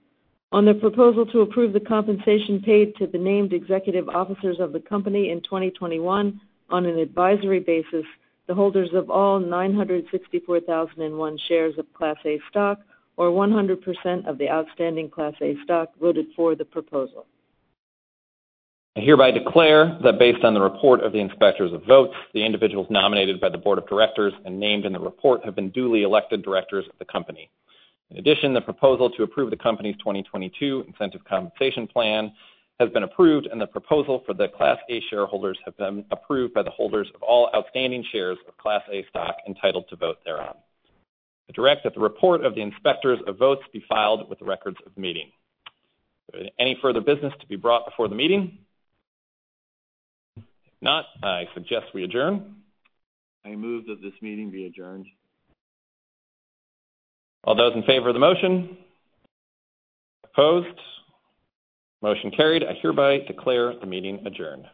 On the proposal to approve the compensation paid to the named executive officers of the company in 2021 on an advisory basis, the holders of all 964,001 shares of Class A stock, or 100% of the outstanding Class A stock, voted for the proposal. I hereby declare that based on the report of the inspectors of votes, the individuals nominated by the Board of Directors and named in the report have been duly elected Directors of the company. In addition, the proposal to approve the company's 2022 incentive compensation plan has been approved, and the proposal for the Class A shareholders have been approved by the holders of all outstanding shares of Class A stock entitled to vote thereon. I direct that the report of the inspectors of votes be filed with the records of the meeting. Any further business to be brought before the meeting? If not, I suggest we adjourn. I move that this meeting be adjourned. All those in favor of the motion? Opposed? Motion carried. I hereby declare the meeting adjourned.